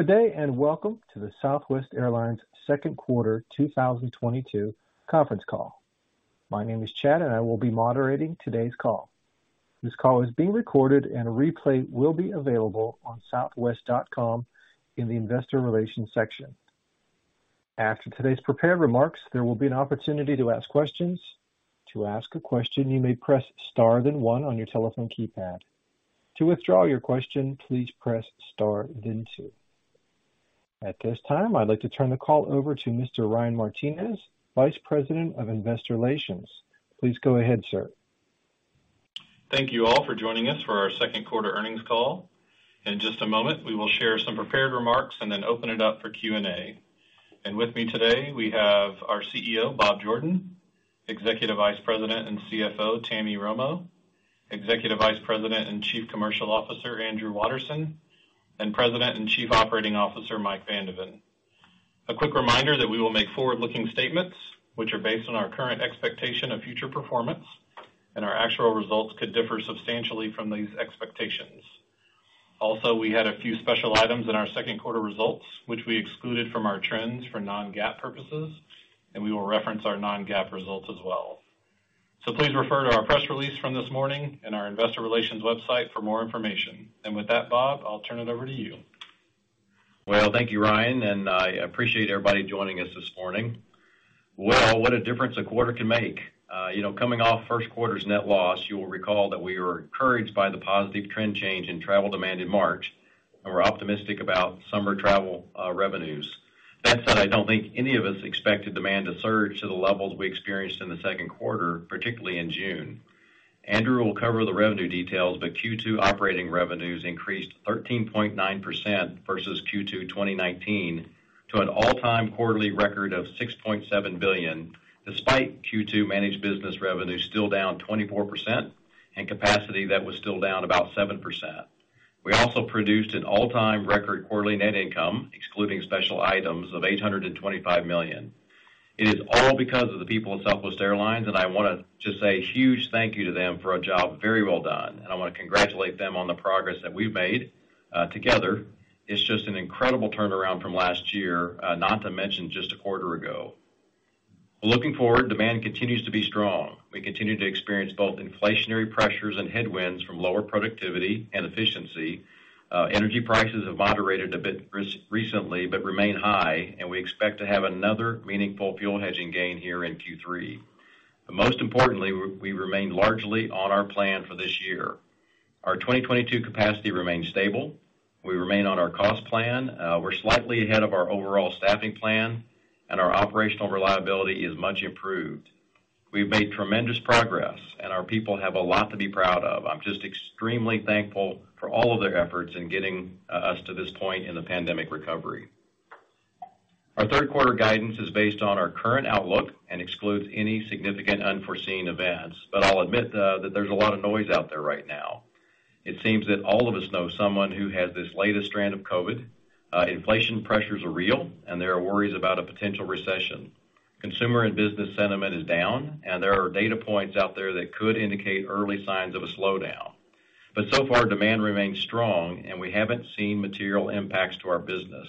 Good day, and welcome to the Southwest Airlines second quarter 2022 conference call. My name is Chad, and I will be moderating today's call. This call is being recorded and a replay will be available on southwest.com in the investor relations section. After today's prepared remarks, there will be an opportunity to ask questions. To ask a question, you may press star then one on your telephone keypad. To withdraw your question, please press star then two. At this time, I'd like to turn the call over to Mr. Ryan Martinez, Vice President of Investor Relations. Please go ahead, sir. Thank you all for joining us for our second quarter earnings call. In just a moment, we will share some prepared remarks and then open it up for Q&A. With me today, we have our CEO, Bob Jordan, Executive Vice President and CFO, Tammy Romo, Executive Vice President and Chief Commercial Officer, Andrew Watterson, and President and Chief Operating Officer, Mike Van de Ven. A quick reminder that we will make forward-looking statements which are based on our current expectation of future performance, and our actual results could differ substantially from these expectations. Also, we had a few special items in our second quarter results, which we excluded from our trends for non-GAAP purposes, and we will reference our non-GAAP results as well. Please refer to our press release from this morning and our investor relations website for more information. With that, Bob, I'll turn it over to you. Well, thank you, Ryan, and I appreciate everybody joining us this morning. Well, what a difference a quarter can make. You know, coming off first quarter's net loss, you will recall that we were encouraged by the positive trend change in travel demand in March, and we're optimistic about summer travel revenues. That said, I don't think any of us expected demand to surge to the levels we experienced in the second quarter, particularly in June. Andrew will cover the revenue details, but Q2 operating revenues increased 13.9% versus Q2 2019 to an all-time quarterly record of $6.7 billion, despite Q2 managed business revenue still down 24% and capacity that was still down about 7%. We also produced an all-time record quarterly net income, excluding special items, of $825 million. It is all because of the people at Southwest Airlines, and I wanna just say huge thank you to them for a job very well done. I wanna congratulate them on the progress that we've made, together. It's just an incredible turnaround from last year, not to mention just a quarter ago. Looking forward, demand continues to be strong. We continue to experience both inflationary pressures and headwinds from lower productivity and efficiency. Energy prices have moderated a bit recently, but remain high, and we expect to have another meaningful fuel hedging gain here in Q3. Most importantly, we remain largely on our plan for this year. Our 2022 capacity remains stable. We remain on our cost plan. We're slightly ahead of our overall staffing plan, and our operational reliability is much improved. We've made tremendous progress, and our people have a lot to be proud of. I'm just extremely thankful for all of their efforts in getting us to this point in the pandemic recovery. Our third quarter guidance is based on our current outlook and excludes any significant unforeseen events, but I'll admit that there's a lot of noise out there right now. It seems that all of us know someone who has this latest strand of COVID. Inflation pressures are real, and there are worries about a potential recession. Consumer and business sentiment is down, and there are data points out there that could indicate early signs of a slowdown. So far, demand remains strong, and we haven't seen material impacts to our business.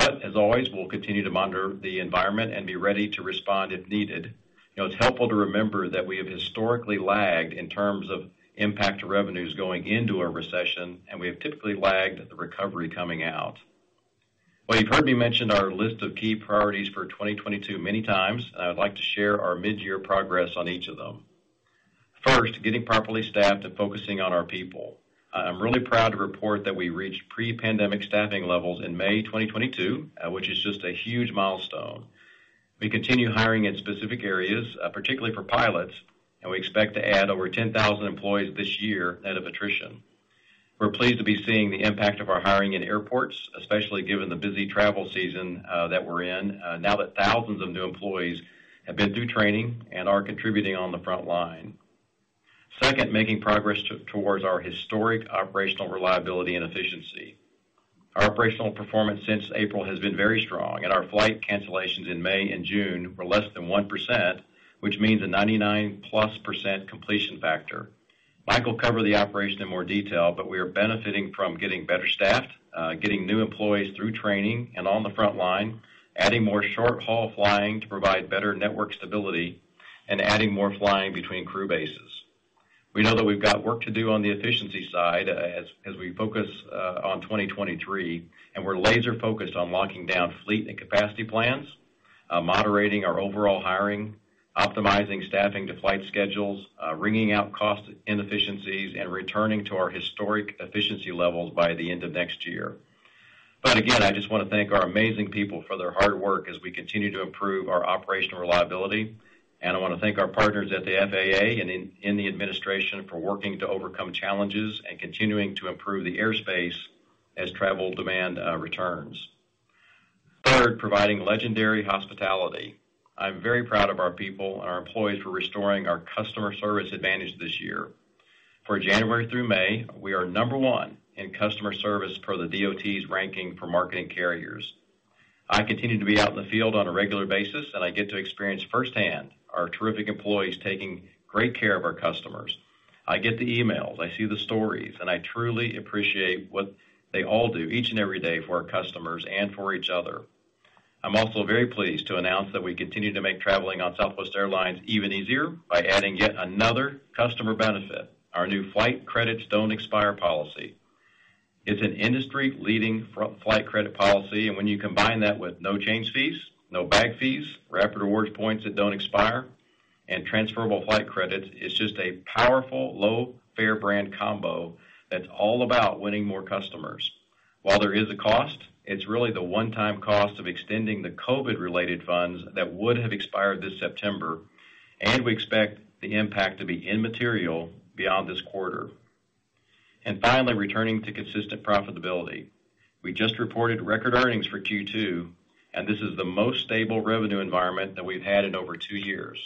As always, we'll continue to monitor the environment and be ready to respond if needed. You know, it's helpful to remember that we have historically lagged in terms of impact to revenues going into a recession, and we have typically lagged the recovery coming out. Well, you've heard me mention our list of key priorities for 2022 many times. I would like to share our mid-year progress on each of them. First, getting properly staffed and focusing on our people. I'm really proud to report that we reached pre-pandemic staffing levels in May 2022, which is just a huge milestone. We continue hiring in specific areas, particularly for pilots, and we expect to add over 10,000 employees this year net of attrition. We're pleased to be seeing the impact of our hiring in airports, especially given the busy travel season that we're in now that thousands of new employees have been through training and are contributing on the front line. Second, making progress towards our historic operational reliability and efficiency. Our operational performance since April has been very strong and our flight cancellations in May and June were less than 1%, which means a 99%+ completion factor. Mike will cover the operation in more detail, but we are benefiting from getting better staffed, getting new employees through training and on the front line, adding more short-haul flying to provide better network stability and adding more flying between crew bases. We know that we've got work to do on the efficiency side as we focus on 2023, and we're laser focused on locking down fleet and capacity plans, moderating our overall hiring, optimizing staffing to flight schedules, wringing out cost inefficiencies, and returning to our historic efficiency levels by the end of next year. Again, I just wanna thank our amazing people for their hard work as we continue to improve our operational reliability. I wanna thank our partners at the FAA and in the administration for working to overcome challenges and continuing to improve the airspace as travel demand returns. Third, providing legendary hospitality. I'm very proud of our people and our employees for restoring our customer service advantage this year. For January through May, we are number one in customer service per the DOT's ranking for marketing carriers. I continue to be out in the field on a regular basis, and I get to experience firsthand our terrific employees taking great care of our customers. I get the emails, I see the stories, and I truly appreciate what they all do each and every day for our customers and for each other. I'm also very pleased to announce that we continue to make traveling on Southwest Airlines even easier by adding yet another customer benefit, our new flight credits don't expire policy. It's an industry-leading flight credit policy, and when you combine that with no change fees, no bag fees, Rapid Rewards points that don't expire, and transferable flight credits, it's just a powerful low-fare brand combo that's all about winning more customers. While there is a cost, it's really the one-time cost of extending the COVID related funds that would have expired this September, and we expect the impact to be immaterial beyond this quarter. Finally, returning to consistent profitability. We just reported record earnings for Q2, and this is the most stable revenue environment that we've had in over two years.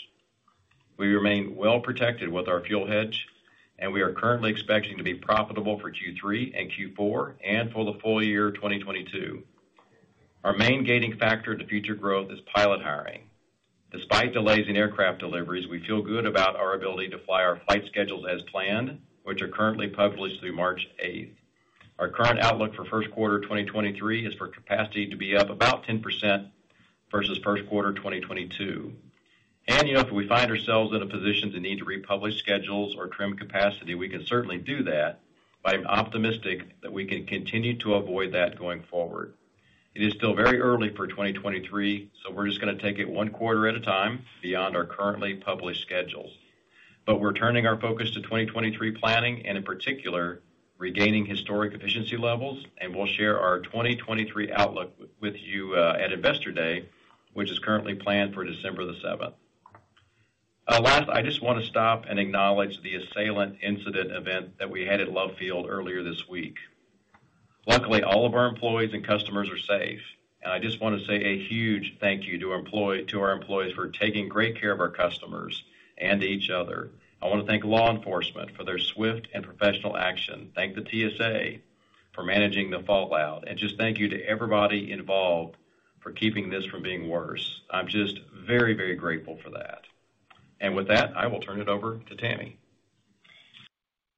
We remain well protected with our fuel hedge, and we are currently expecting to be profitable for Q3 and Q4 and for the full year 2022. Our main gating factor to future growth is pilot hiring. Despite delays in aircraft deliveries, we feel good about our ability to fly our flight schedules as planned, which are currently published through March 8. Our current outlook for first quarter 2023 is for capacity to be up about 10% versus first quarter 2022. If we find ourselves in a position to need to republish schedules or trim capacity, we can certainly do that. I'm optimistic that we can continue to avoid that going forward. It is still very early for 2023, so we're just gonna take it one quarter at a time beyond our currently published schedules. We're turning our focus to 2023 planning and in particular, regaining historic efficiency levels. We'll share our 2023 outlook with you at Investor Day, which is currently planned for December 7th. I just want to stop and acknowledge the assailant incident event that we had at Love Field earlier this week. Luckily, all of our employees and customers are safe. I just want to say a huge thank you to our employees for taking great care of our customers and to each other. I want to thank law enforcement for their swift and professional action, thank the TSA for managing the fallout, and just thank you to everybody involved for keeping this from being worse. I'm just very, very grateful for that. With that, I will turn it over to Tammy.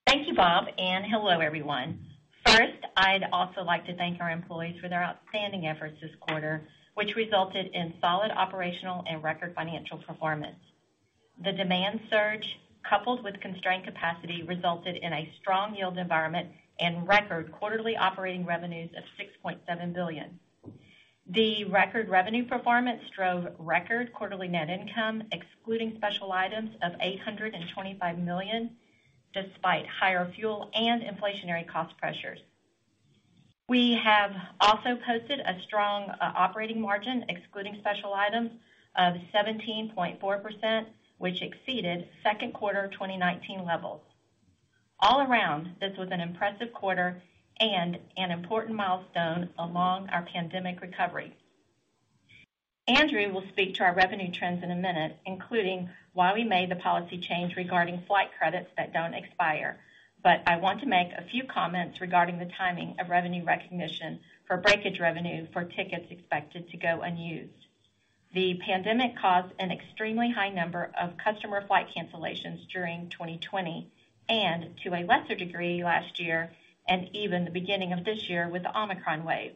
Thank you, Bob, and hello, everyone. First, I'd also like to thank our employees for their outstanding efforts this quarter, which resulted in solid operational and record financial performance. The demand surge, coupled with constrained capacity, resulted in a strong yield environment and record quarterly operating revenues of $6.7 billion. The record revenue performance drove record quarterly net income, excluding special items of $825 million, despite higher fuel and inflationary cost pressures. We have also posted a strong operating margin excluding special items of 17.4%, which exceeded second quarter 2019 levels. All around, this was an impressive quarter and an important milestone along our pandemic recovery. Andrew will speak to our revenue trends in a minute, including why we made the policy change regarding flight credits that don't expire. I want to make a few comments regarding the timing of revenue recognition for breakage revenue for tickets expected to go unused. The pandemic caused an extremely high number of customer flight cancellations during 2020 and to a lesser degree last year and even the beginning of this year with the Omicron wave.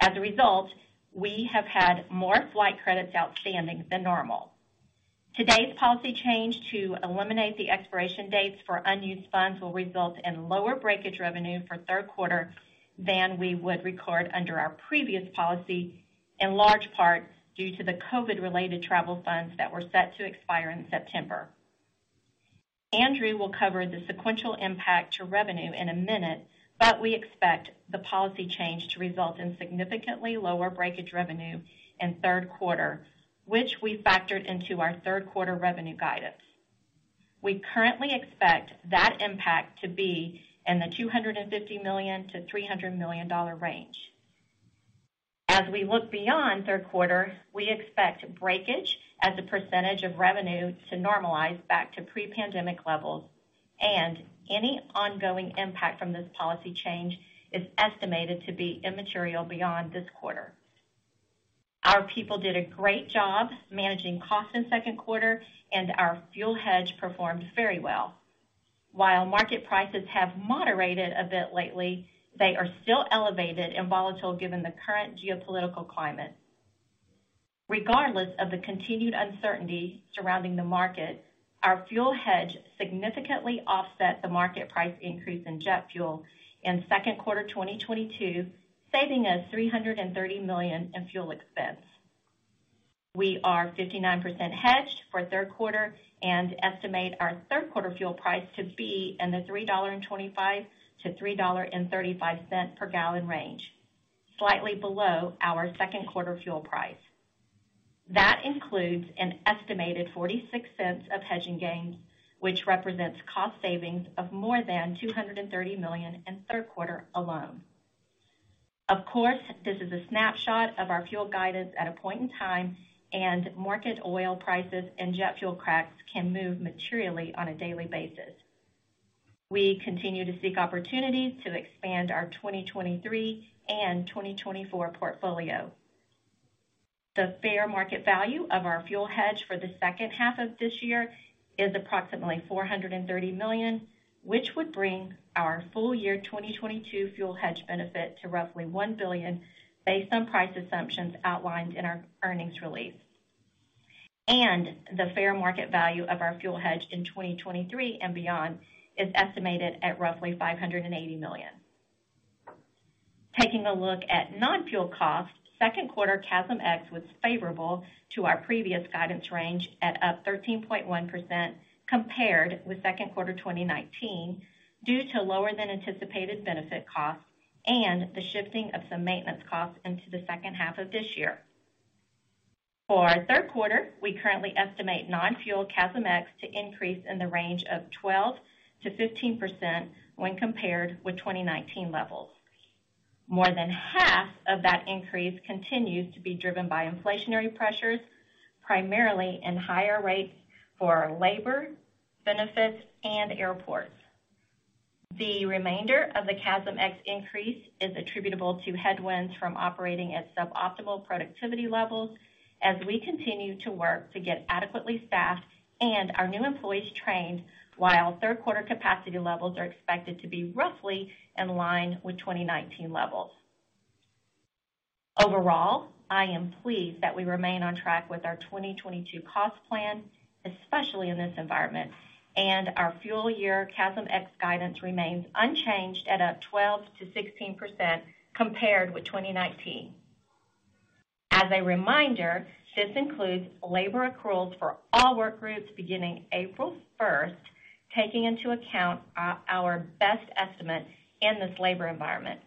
As a result, we have had more flight credits outstanding than normal. Today's policy change to eliminate the expiration dates for unused funds will result in lower breakage revenue for third quarter than we would record under our previous policy, in large part due to the COVID related travel funds that were set to expire in September. Andrew will cover the sequential impact to revenue in a minute. We expect the policy change to result in significantly lower breakage revenue in third quarter, which we factored into our third quarter revenue guidance. We currently expect that impact to be in the $250 million-$300 million range. As we look beyond third quarter, we expect breakage as a percentage of revenue to normalize back to pre-pandemic levels, and any ongoing impact from this policy change is estimated to be immaterial beyond this quarter. Our people did a great job managing costs in second quarter, and our fuel hedge performed very well. While market prices have moderated a bit lately, they are still elevated and volatile given the current geopolitical climate. Regardless of the continued uncertainty surrounding the market, our fuel hedge significantly offset the market price increase in jet fuel in second quarter 2022, saving us $330 million in fuel expense. We are 59% hedged for third quarter and estimate our third quarter fuel price to be in the $3.25-$3.35 per gallon range, slightly below our second quarter fuel price. That includes an estimated $0.46 of hedging gains, which represents cost savings of more than $230 million in third quarter alone. Of course, this is a snapshot of our fuel guidance at a point in time, and market oil prices and jet fuel cracks can move materially on a daily basis. We continue to seek opportunities to expand our 2023 and 2024 portfolio. The fair market value of our fuel hedge for the second half of this year is approximately $430 million, which would bring our full year 2022 fuel hedge benefit to roughly $1 billion based on price assumptions outlined in our earnings release. The fair market value of our fuel hedge in 2023 and beyond is estimated at roughly $580 million. Taking a look at non-fuel costs, second quarter CASM-X was favorable to our previous guidance range at up 13.1% compared with second quarter 2019 due to lower than anticipated benefit costs and the shifting of some maintenance costs into the second half of this year. For our third quarter, we currently estimate non-fuel CASM-X to increase in the range of 12%-15% when compared with 2019 levels. More than half of that increase continues to be driven by inflationary pressures, primarily in higher rates for labor, benefits, and airports. The remainder of the CASM-X increase is attributable to headwinds from operating at suboptimal productivity levels as we continue to work to get adequately staffed and our new employees trained while third quarter capacity levels are expected to be roughly in line with 2019 levels. Overall, I am pleased that we remain on track with our 2022 cost plan, especially in this environment, and our full year CASM-X guidance remains unchanged at 12%-16% compared with 2019. As a reminder, this includes labor accruals for all work groups beginning April 1st, taking into account our best estimate in this labor environment.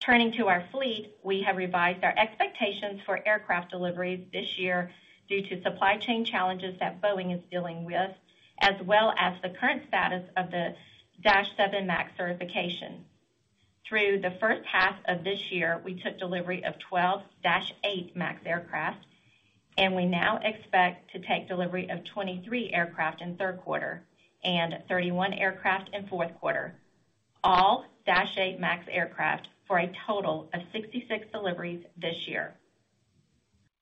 Turning to our fleet, we have revised our expectations for aircraft deliveries this year due to supply chain challenges that Boeing is dealing with, as well as the current status of the Dash 7 MAX verification. Through the first half of this year, we took delivery of 12 Dash 8 MAX aircraft, and we now expect to take delivery of 23 aircraft in third quarter and 31 aircraft in fourth quarter, all Dash 8 MAX aircraft for a total of 66 deliveries this year.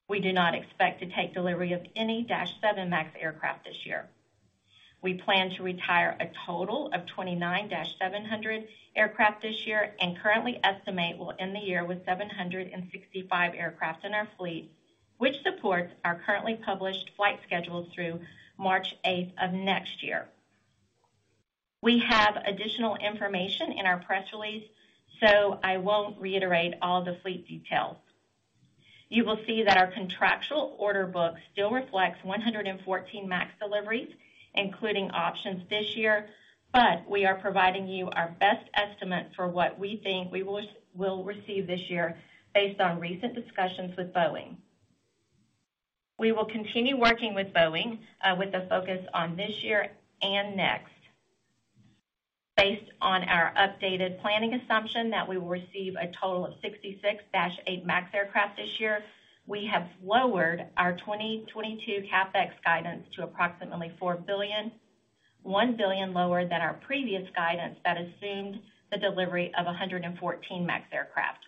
We do not expect to take delivery of any Dash 7 MAX aircraft this year. We plan to retire a total of 29 Dash 700 aircraft this year and currently estimate we'll end the year with 765 aircraft in our fleet, which supports our currently published flight schedules through March 8 of next year. We have additional information in our press release, so I won't reiterate all the fleet details. You will see that our contractual order book still reflects 114 MAX deliveries, including options this year, but we are providing you our best estimate for what we think we will receive this year based on recent discussions with Boeing. We will continue working with Boeing with a focus on this year and next. Based on our updated planning assumption that we will receive a total of 66 Dash 8 MAX aircraft this year, we have lowered our 2022 CapEx guidance to approximately $4 billion, $1 billion lower than our previous guidance that assumed the delivery of 114 MAX aircraft.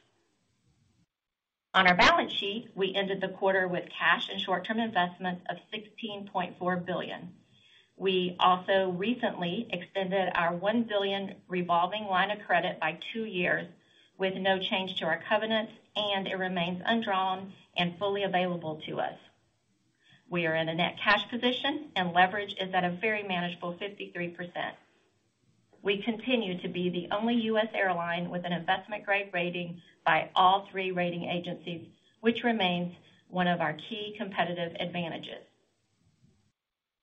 On our balance sheet, we ended the quarter with cash and short-term investments of $16.4 billion. We also recently extended our $1 billion revolving line of credit by two years with no change to our covenants, and it remains undrawn and fully available to us. We are in a net cash position and leverage is at a very manageable 53%. We continue to be the only U.S. airline with an investment-grade rating by all three rating agencies, which remains one of our key competitive advantages.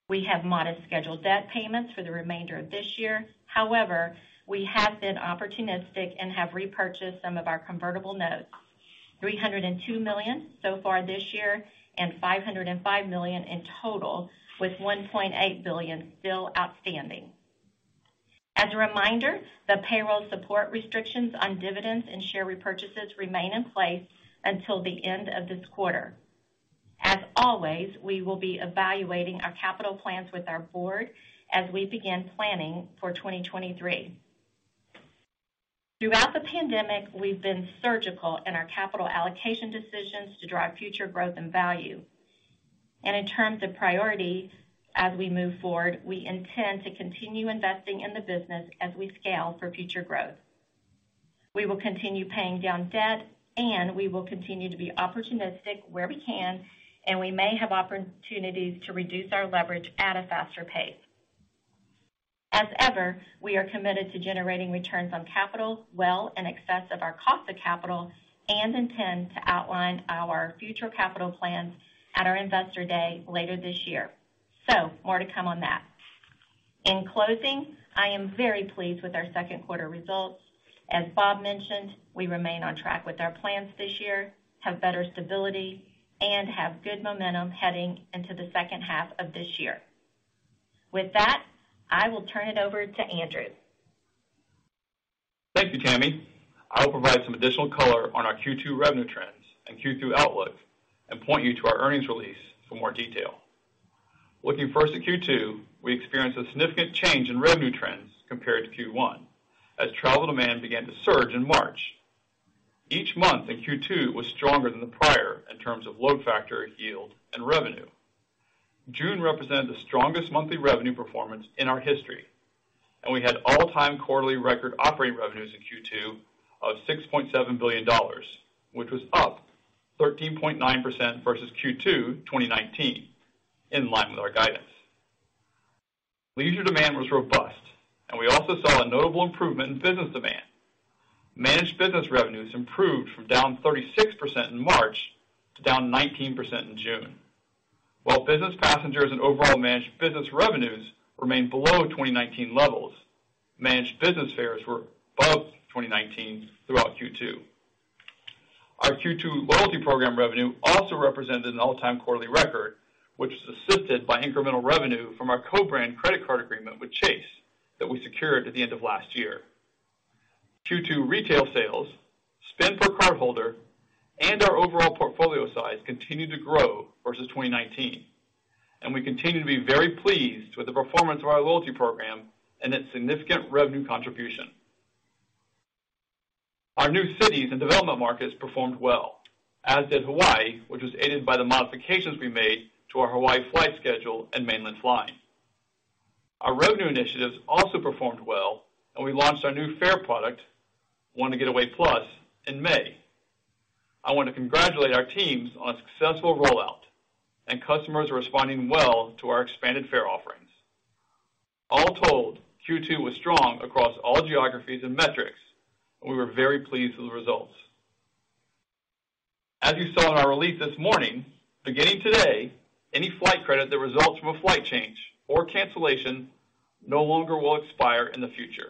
We have modest scheduled debt payments for the remainder of this year. However, we have been opportunistic and have repurchased some of our convertible notes, $302 million so far this year and $505 million in total, with $1.8 billion still outstanding. As a reminder, the payroll support restrictions on dividends and share repurchases remain in place until the end of this quarter. As always, we will be evaluating our capital plans with our board as we begin planning for 2023. Throughout the pandemic, we've been surgical in our capital allocation decisions to drive future growth and value. In terms of priorities as we move forward, we intend to continue investing in the business as we scale for future growth. We will continue paying down debt, and we will continue to be opportunistic where we can, and we may have opportunities to reduce our leverage at a faster pace. As ever, we are committed to generating returns on capital well in excess of our cost of capital and intend to outline our future capital plans at our Investor Day later this year. More to come on that. In closing, I am very pleased with our second quarter results. As Bob mentioned, we remain on track with our plans this year, have better stability, and have good momentum heading into the second half of this year. With that, I will turn it over to Andrew. Thank you, Tammy. I will provide some additional color on our Q2 revenue trends and Q2 outlook and point you to our earnings release for more detail. Looking first at Q2, we experienced a significant change in revenue trends compared to Q1 as travel demand began to surge in March. Each month in Q2 was stronger than the prior in terms of load factor, yield, and revenue. June represented the strongest monthly revenue performance in our history, and we had all-time quarterly record operating revenues in Q2 of $6.7 billion, which was up 13.9% versus Q2 2019 in line with our guidance. Leisure demand was robust, and we also saw a notable improvement in business demand. Managed business revenues improved from down 36% in March to down 19% in June. While business passengers and overall managed business revenues remained below 2019 levels, managed business fares were above 2019 throughout Q2. Our Q2 loyalty program revenue also represented an all-time quarterly record, which was assisted by incremental revenue from our co-brand credit card agreement with Chase that we secured at the end of last year. Q2 retail sales, spend per cardholder, and our overall portfolio size continued to grow versus 2019, and we continue to be very pleased with the performance of our loyalty program and its significant revenue contribution. Our new cities and development markets performed well, as did Hawaii, which was aided by the modifications we made to our Hawaii flight schedule and mainland flying. Our revenue initiatives also performed well, and we launched our new fare product, Wanna Get Away Plus, in May. I want to congratulate our teams on a successful rollout and customers are responding well to our expanded fare offerings. All told, Q2 was strong across all geographies and metrics, and we were very pleased with the results. As you saw in our release this morning, beginning today, any flight credit that results from a flight change or cancellation no longer will expire in the future.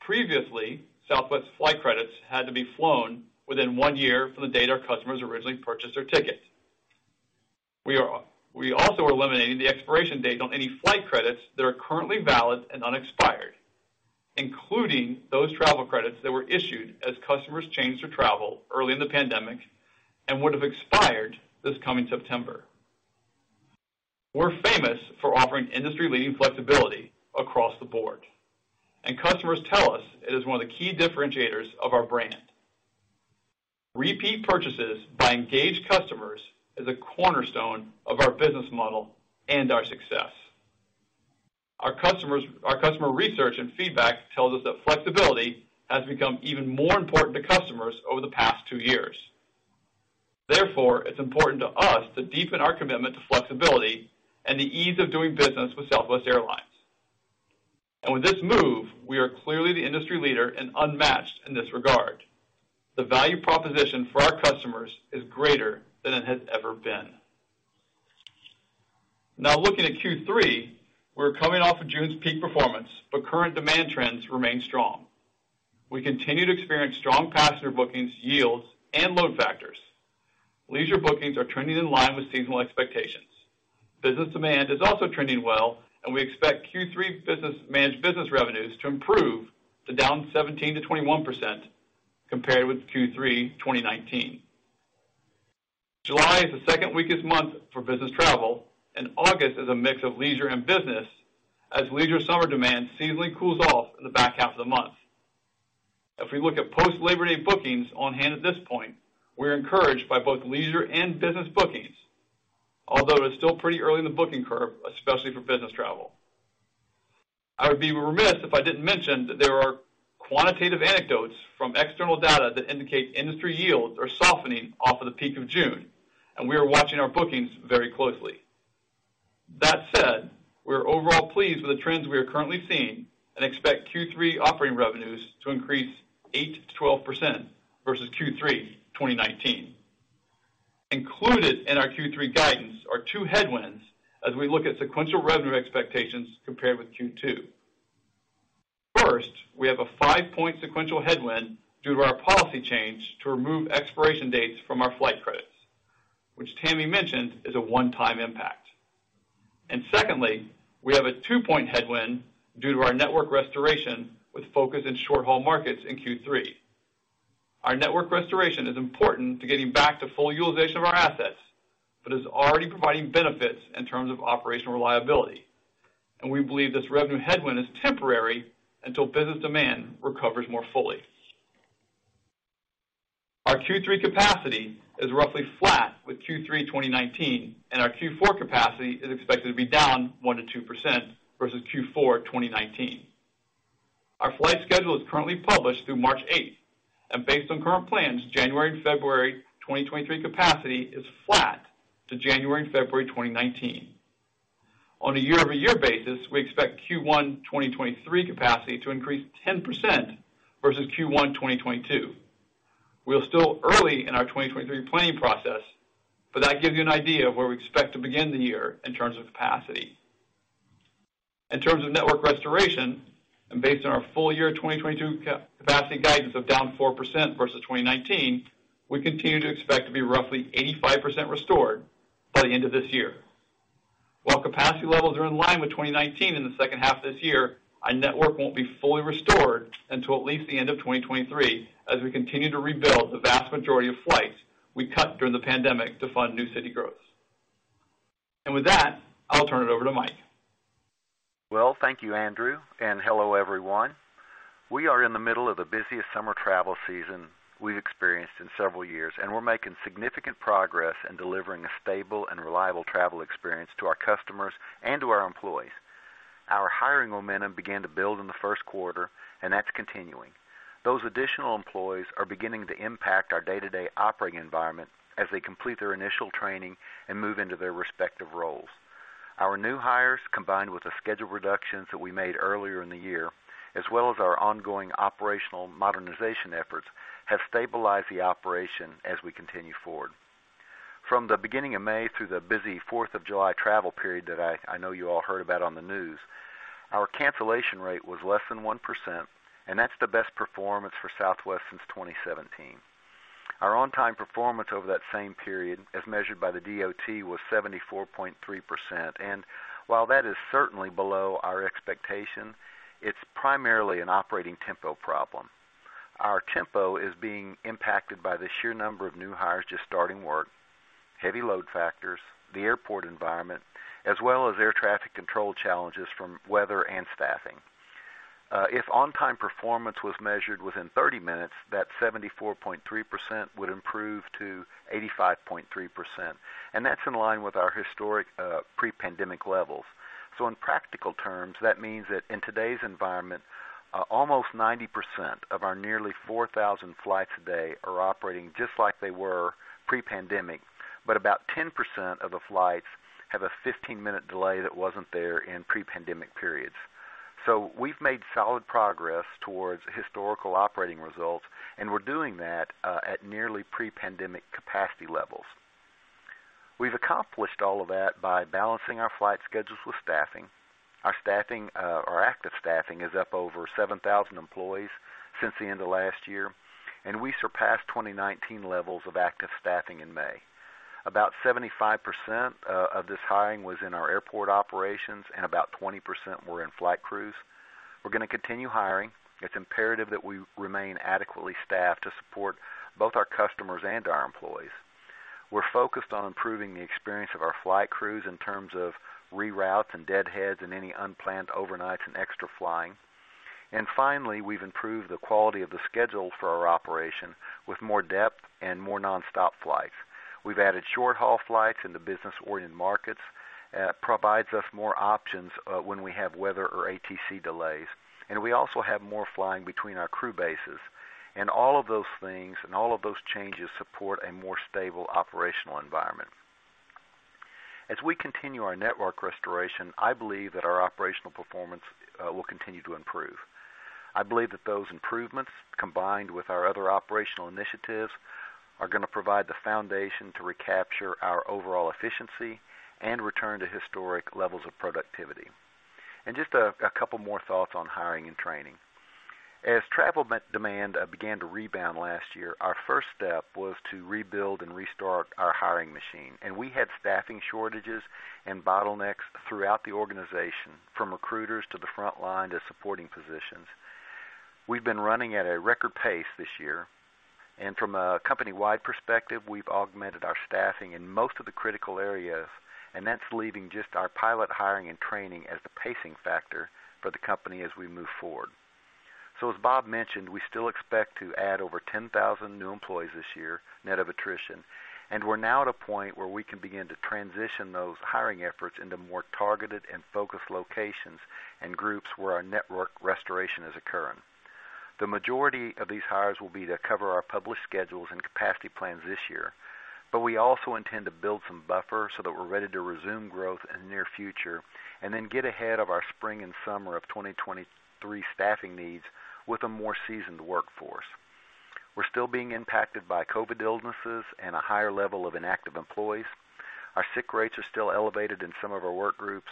Previously, Southwest flight credits had to be flown within one year from the date our customers originally purchased their tickets. We also are eliminating the expiration date on any flight credits that are currently valid and unexpired, including those travel credits that were issued as customers changed their travel early in the pandemic and would have expired this coming September. We're famous for offering industry-leading flexibility across the board, and customers tell us it is one of the key differentiators of our brand. Repeat purchases by engaged customers is a cornerstone of our business model and our success. Our customers, our customer research and feedback tells us that flexibility has become even more important to customers over the past two years. Therefore, it's important to us to deepen our commitment to flexibility and the ease of doing business with Southwest Airlines. With this move, we are clearly the industry leader and unmatched in this regard. The value proposition for our customers is greater than it has ever been. Now, looking at Q3, we're coming off of June's peak performance, but current demand trends remain strong. We continue to experience strong passenger bookings, yields, and load factors. Leisure bookings are trending in line with seasonal expectations. Business demand is also trending well, and we expect Q3 managed business revenues to improve to down 17%-21% compared with Q3 2019. July is the second weakest month for business travel, and August is a mix of leisure and business as leisure summer demand seasonally cools off in the back half of the month. If we look at post-Labor Day bookings on hand at this point, we're encouraged by both leisure and business bookings, although it is still pretty early in the booking curve, especially for business travel. I would be remiss if I didn't mention that there are quantitative anecdotes from external data that indicate industry yields are softening off of the peak of June, and we are watching our bookings very closely. That said, we're overall pleased with the trends we are currently seeing and expect Q3 operating revenues to increase 8%-12% versus Q3 2019. Included in our Q3 guidance are two headwinds as we look at sequential revenue expectations compared with Q2. First, we have a five-point sequential headwind due to our policy change to remove expiration dates from our flight credits, which Tammy mentioned is a one-time impact. Secondly, we have a two-point headwind due to our network restoration with focus in short-haul markets in Q3. Our network restoration is important to getting back to full utilization of our assets, but is already providing benefits in terms of operational reliability. We believe this revenue headwind is temporary until business demand recovers more fully. Our Q3 capacity is roughly flat with Q3 2019, and our Q4 capacity is expected to be down 1%-2% versus Q4 2019. Our flight schedule is currently published through March 8th, and based on current plans, January and February 2023 capacity is flat to January and February 2019. On a year-over-year basis, we expect Q1 2023 capacity to increase 10% versus Q1 2022. We are still early in our 2023 planning process, but that gives you an idea of where we expect to begin the year in terms of capacity. In terms of network restoration and based on our full year 2022 capacity guidance of down 4% versus 2019, we continue to expect to be roughly 85% restored by the end of this year. While capacity levels are in line with 2019 in the second half of this year, our network won't be fully restored until at least the end of 2023 as we continue to rebuild the vast majority of flights we cut during the pandemic to fund new city growth. With that, I'll turn it over to Mike. Well, thank you, Andrew, and hello, everyone. We are in the middle of the busiest summer travel season we've experienced in several years, and we're making significant progress in delivering a stable and reliable travel experience to our customers and to our employees. Our hiring momentum began to build in the first quarter, and that's continuing. Those additional employees are beginning to impact our day-to-day operating environment as they complete their initial training and move into their respective roles. Our new hires, combined with the schedule reductions that we made earlier in the year, as well as our ongoing operational modernization efforts, have stabilized the operation as we continue forward. From the beginning of May through the busy 4th of July travel period that I know you all heard about on the news, our cancellation rate was less than 1%, and that's the best performance for Southwest since 2017. Our on-time performance over that same period, as measured by the DOT, was 74.3%. While that is certainly below our expectation, it's primarily an operating tempo problem. Our tempo is being impacted by the sheer number of new hires just starting work, heavy load factors, the airport environment, as well as air traffic control challenges from weather and staffing. If on-time performance was measured within 30 minutes, that 74.3% would improve to 85.3%, and that's in line with our historic pre-pandemic levels. In practical terms, that means that in today's environment, almost 90% of our nearly 4,000 flights a day are operating just like they were pre-pandemic, but about 10% of the flights have a 15-minute delay that wasn't there in pre-pandemic periods. We've made solid progress towards historical operating results, and we're doing that at nearly pre-pandemic capacity levels. We've accomplished all of that by balancing our flight schedules with staffing. Our staffing, our active staffing is up over 7,000 employees since the end of last year, and we surpassed 2019 levels of active staffing in May. About 75% of this hiring was in our airport operations and about 20% were in flight crews. We're gonna continue hiring. It's imperative that we remain adequately staffed to support both our customers and our employees. We're focused on improving the experience of our flight crews in terms of reroutes and deadheads and any unplanned overnights and extra flying. Finally, we've improved the quality of the schedule for our operation with more depth and more nonstop flights. We've added short-haul flights into business-oriented markets. It provides us more options, when we have weather or ATC delays. We also have more flying between our crew bases. All of those things and all of those changes support a more stable operational environment. As we continue our network restoration, I believe that our operational performance will continue to improve. I believe that those improvements, combined with our other operational initiatives, are gonna provide the foundation to recapture our overall efficiency and return to historic levels of productivity. Just a couple more thoughts on hiring and training. As travel demand began to rebound last year, our first step was to rebuild and restart our hiring machine, and we had staffing shortages and bottlenecks throughout the organization, from recruiters to the front line to supporting positions. We've been running at a record pace this year, and from a company-wide perspective, we've augmented our staffing in most of the critical areas, and that's leaving just our pilot hiring and training as the pacing factor for the company as we move forward. As Bob mentioned, we still expect to add over 10,000 new employees this year, net of attrition. We're now at a point where we can begin to transition those hiring efforts into more targeted and focused locations and groups where our network restoration is occurring. The majority of these hires will be to cover our published schedules and capacity plans this year, but we also intend to build some buffer so that we're ready to resume growth in the near future and then get ahead of our spring and summer of 2023 staffing needs with a more seasoned workforce. We're still being impacted by COVID illnesses and a higher level of inactive employees. Our sick rates are still elevated in some of our work groups,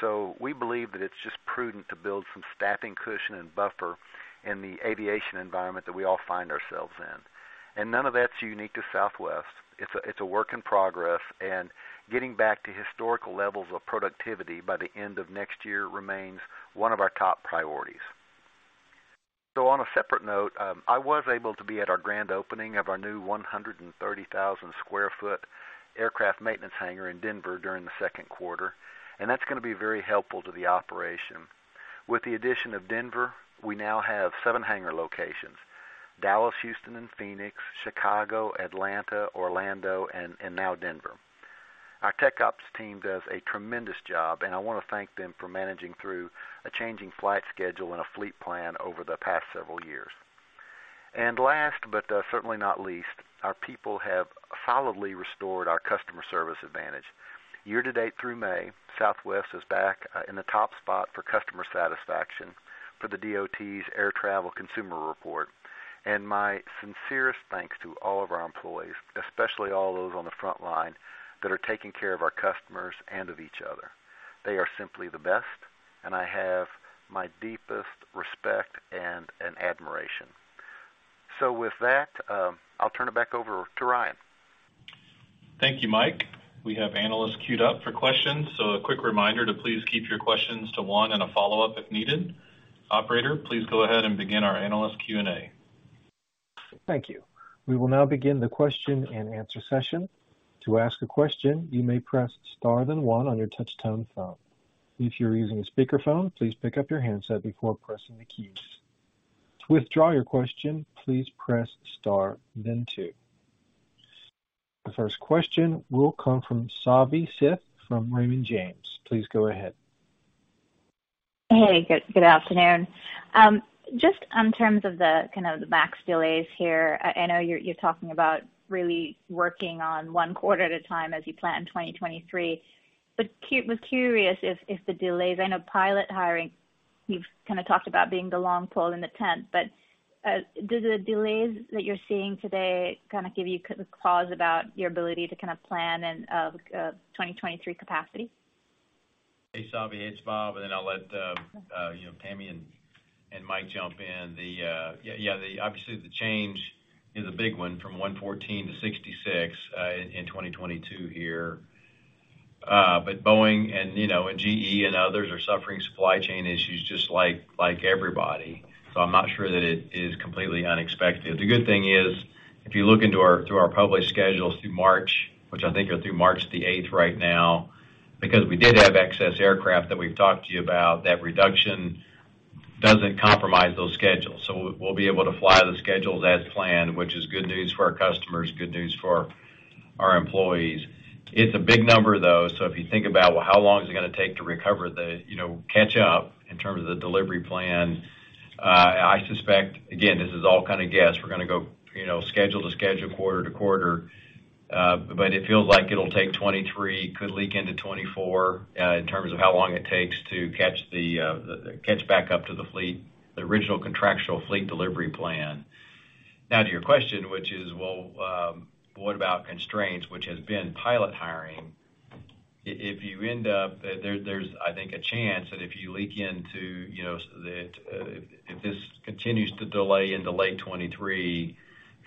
so we believe that it's just prudent to build some staffing cushion and buffer in the aviation environment that we all find ourselves in. None of that's unique to Southwest. It's a work in progress, and getting back to historical levels of productivity by the end of next year remains one of our top priorities. On a separate note, I was able to be at our grand opening of our new 130,000 sq ft aircraft maintenance hangar in Denver during the second quarter, and that's gonna be very helpful to the operation. With the addition of Denver, we now have seven hangar locations: Dallas, Houston and Phoenix, Chicago, Atlanta, Orlando, and now Denver. Our tech ops team does a tremendous job, and I wanna thank them for managing through a changing flight schedule and a fleet plan over the past several years. Last, but certainly not least, our people have solidly restored our customer service advantage. Year-to-date through May, Southwest is back in the top spot for customer satisfaction for the DOT's Air Travel Consumer Report. My sincerest thanks to all of our employees, especially all those on the front line that are taking care of our customers and of each other. They are simply the best, and I have my deepest respect and admiration. With that, I'll turn it back over to Ryan. Thank you, Mike. We have analysts queued up for questions. A quick reminder to please keep your questions to one and a follow-up if needed. Operator, please go ahead and begin our analyst Q&A. Thank you. We will now begin the question and answer session. To ask a question, you may press star then one on your touch-tone phone. If you're using a speakerphone, please pick up your handset before pressing the keys. To withdraw your question, please press star then two. The first question will come from Savi Syth from Raymond James. Please go ahead. Hey, good afternoon. Just in terms of the kind of MAX delays here, I know you're talking about really working on one quarter at a time as you plan 2023. I was curious if the delays in pilot hiring you've kinda talked about being the long pole in the tent, do the delays that you're seeing today kinda give you pause about your ability to kinda plan and 2023 capacity? Hey, Savi. It's Bob, and then I'll let you know, Tammy and Mike jump in. The change is obviously a big one from 114 to 66 in 2022 here. But Boeing, you know, GE and others are suffering supply chain issues just like everybody. I'm not sure that it is completely unexpected. The good thing is, if you look through our published schedules through March, which I think are through March 8th right now, because we did have excess aircraft that we've talked to you about, that reduction doesn't compromise those schedules. We'll be able to fly the schedules as planned, which is good news for our customers, good news for our employees. It's a big number, though. If you think about, well, how long is it gonna take to recover the, you know, catch up in terms of the delivery plan, I suspect, again, this is all kinda guess. We're gonna go, you know, schedule-to-schedule, quarter-to-quarter, but it feels like it'll take 2023, could leak into 2024, in terms of how long it takes to catch back up to the fleet, the original contractual fleet delivery plan. Now to your question, which is, well, what about constraints, which has been pilot hiring? If you end up there's, I think, a chance that if you leak into, you know, if this continues to delay into late 2023,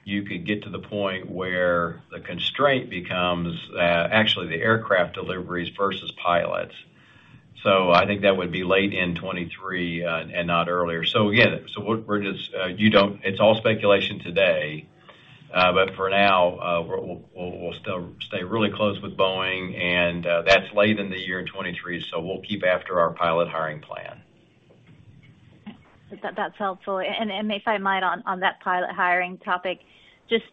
you could get to the point where the constraint becomes, actually the aircraft deliveries versus pilots. I think that would be late in 2023 and not earlier. Again, we're just. It's all speculation today, but for now, we'll still stay really close with Boeing, and that's late in the year in 2023, so we'll keep after our pilot hiring plan. That's helpful. If I might on that pilot hiring topic, just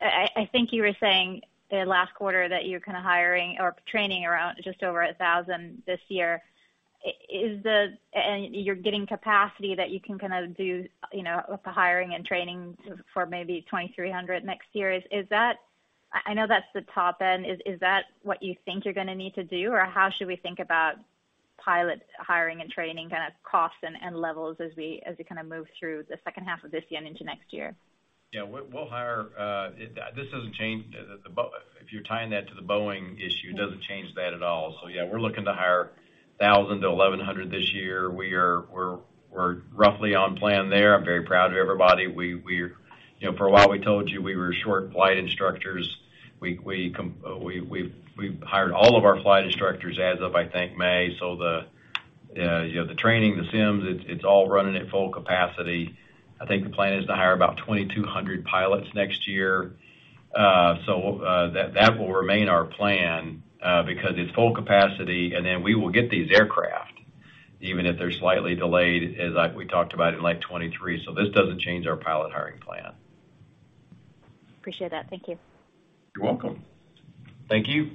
I think you were saying the last quarter that you're kinda hiring or training around just over 1,000 this year. You're getting capacity that you can kinda do, you know, with the hiring and training for maybe 2,300 next year. Is that- I know that's the top end. Is that what you think you're gonna need to do? Or how should we think about pilot hiring and training kinda costs and levels as we kinda move through the second half of this year and into next year? Yeah. We'll hire. This doesn't change the Boeing issue. If you're tying that to the Boeing issue, it doesn't change that at all. Yeah, we're looking to hire 1000-1100 this year. We're roughly on plan there. I'm very proud of everybody. We're, you know, for a while we told you we were short flight instructors. We've hired all of our flight instructors as of, I think, May. You know, the training, the sims, it's all running at full capacity. I think the plan is to hire about 2200 pilots next year. That will remain our plan, because it's full capacity, and then we will get these aircraft, even if they're slightly delayed, as like we talked about in late 2023. This doesn't change our pilot hiring plan. Appreciate that. Thank you. You're welcome. Thank you.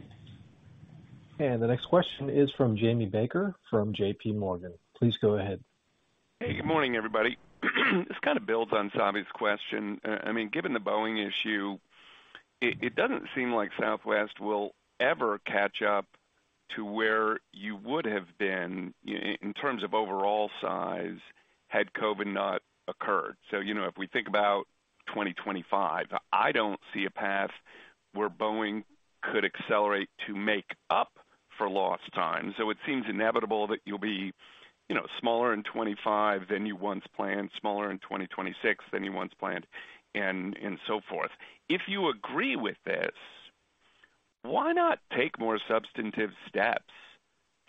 The next question is from Jamie Baker from JPMorgan. Please go ahead. Hey, good morning, everybody. This kinda builds on Savi's question. I mean, given the Boeing issue, it doesn't seem like Southwest will ever catch up to where you would have been in terms of overall size had COVID not occurred. You know, if we think about 2025, I don't see a path where Boeing could accelerate to make up for lost time. It seems inevitable that you'll be, you know, smaller in 2025 than you once planned, smaller in 2026 than you once planned and so forth. If you agree with this, why not take more substantive steps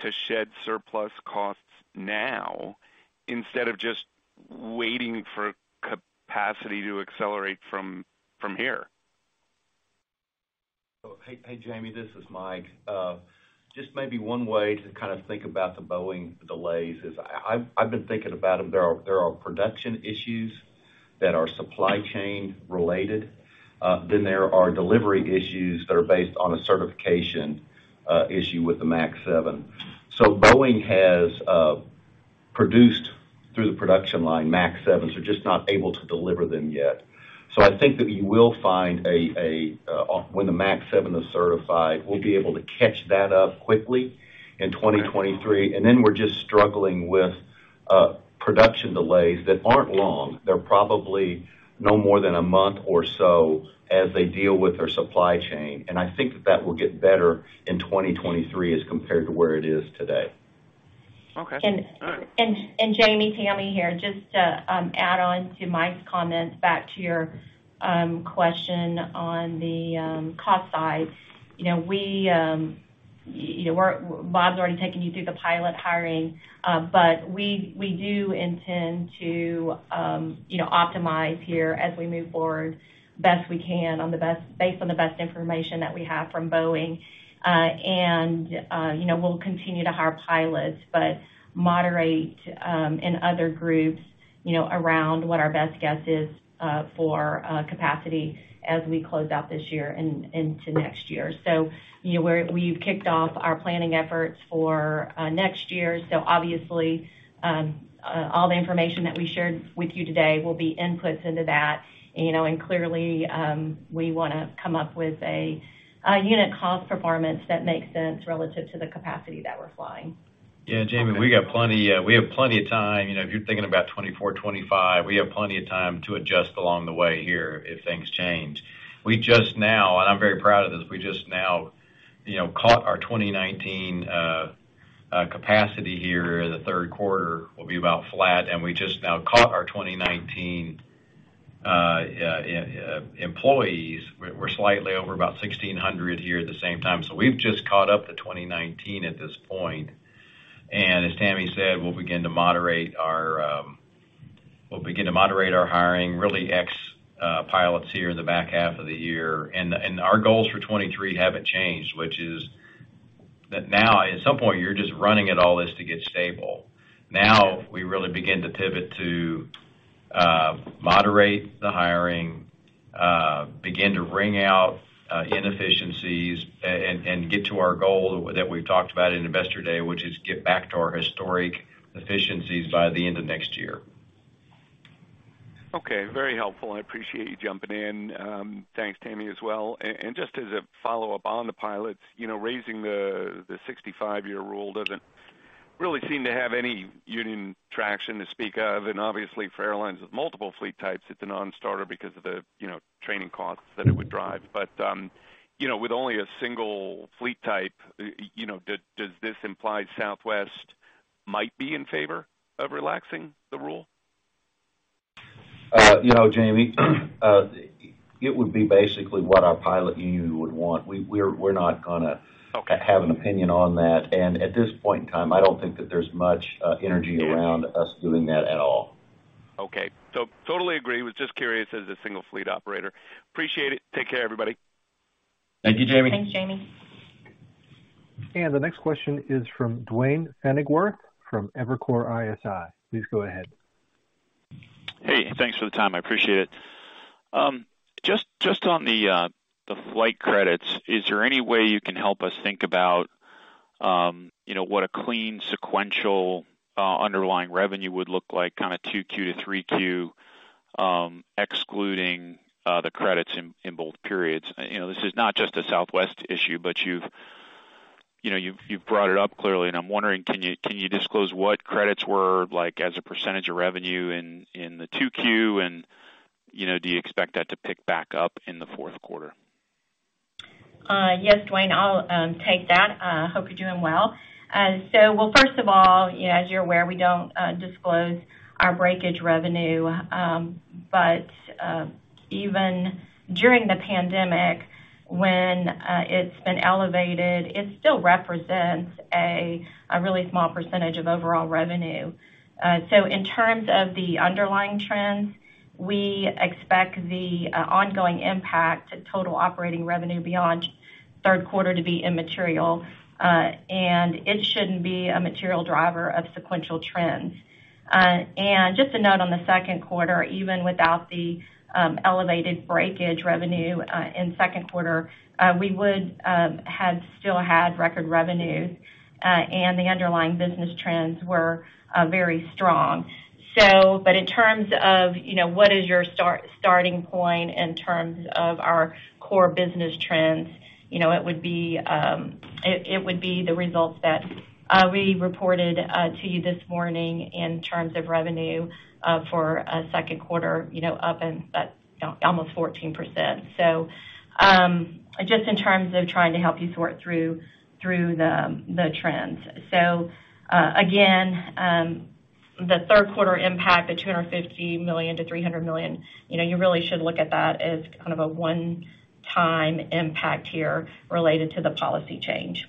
to shed surplus costs now instead of just waiting for capacity to accelerate from here? Oh, hey, Jamie, this is Mike. Just maybe one way to kind of think about the Boeing delays is, I've been thinking about them, there are production issues that are supply chain related. Then there are delivery issues that are based on a certification issue with the MAX 7. Boeing has produced through the production line MAX 7s. They're just not able to deliver them yet. I think that you will find when the MAX 7 is certified, we'll be able to catch that up quickly in 2023, and then we're just struggling with production delays that aren't long. They're probably no more than a month or so as they deal with their supply chain, and I think that will get better in 2023 as compared to where it is today. Okay. All right. Jamie, Tammy here, just to add on to Mike's comments back to your question on the cost side. You know, we, you know, Bob's already taken you through the pilot hiring, but we do intend to, you know, optimize here as we move forward best we can based on the best information that we have from Boeing. You know, we'll continue to hire pilots, but moderate in other groups, you know, around what our best guess is for capacity as we close out this year and into next year. You know, we've kicked off our planning efforts for next year. Obviously, all the information that we shared with you today will be inputs into that, you know, and clearly, we wanna come up with a unit cost performance that makes sense relative to the capacity that we're flying. Yeah. Jamie, we have plenty of time. You know, if you're thinking about 2024, 2025, we have plenty of time to adjust along the way here if things change. We just now, and I'm very proud of this, caught our 2019 capacity here. The third quarter will be about flat, and we just now caught our 2019 employees. We're slightly over about 1,600 here at the same time. So we've just caught up to 2019 at this point. As Tammy said, we'll begin to moderate our hiring, really except pilots here in the back half of the year. Our goals for 2023 haven't changed, which is that now at some point, you're just running at all this to get stable. Now we really begin to pivot to moderate the hiring, begin to wring out inefficiencies and get to our goal that we've talked about in Investor Day, which is get back to our historic efficiencies by the end of next year. Okay, very helpful. I appreciate you jumping in. Thanks, Tammy, as well. Just as a follow-up on the pilots, you know, raising the 65-year rule doesn't really seem to have any union traction to speak of. Obviously for airlines with multiple fleet types, it's a non-starter because of the training costs that it would drive. You know, with only a single fleet type, you know, does this imply Southwest might be in favor of relaxing the rule? You know, Jamie, it would be basically what our pilot union would want. We're not gonna- Okay. -have an opinion on that. At this point in time, I don't think that there's much energy around us doing that at all. Okay. Totally agree. Was just curious as a single fleet operator. Appreciate it. Take care, everybody. Thank you, Jamie. Thanks, Jamie. The next question is from Duane Pfennigwerth from Evercore ISI. Please go ahead. Hey, thanks for the time. I appreciate it. Just on the flight credits, is there any way you can help us think about, you know, what a clean sequential underlying revenue would look like, kinda 2Q-3Q, excluding the credits in both periods? You know, this is not just a Southwest issue, but you know, you've brought it up clearly, and I'm wondering, can you disclose what credits were like as a percentage of revenue in 2Q? And, you know, do you expect that to pick back up in the fourth quarter? Yes, Duane, I'll take that. Hope you're doing well. Well, first of all, as you're aware, we don't disclose our breakage revenue. Even during the pandemic when it's been elevated, it still represents a really small percentage of overall revenue. In terms of the underlying trends, we expect the ongoing impact to total operating revenue beyond third quarter to be immaterial. It shouldn't be a material driver of sequential trends. Just a note on the second quarter, even without the elevated breakage revenue in second quarter, we would have still had record revenues, and the underlying business trends were very strong. In terms of what is your starting point in terms of our core business trends, you know, it would be the results that we reported to you this morning in terms of revenue for a second quarter, you know, up almost 14%. Just in terms of trying to help you sort through the trends. Again, the third quarter impact, the $250 million-$300 million, you know, you really should look at that as kind of a one-time impact here related to the policy change.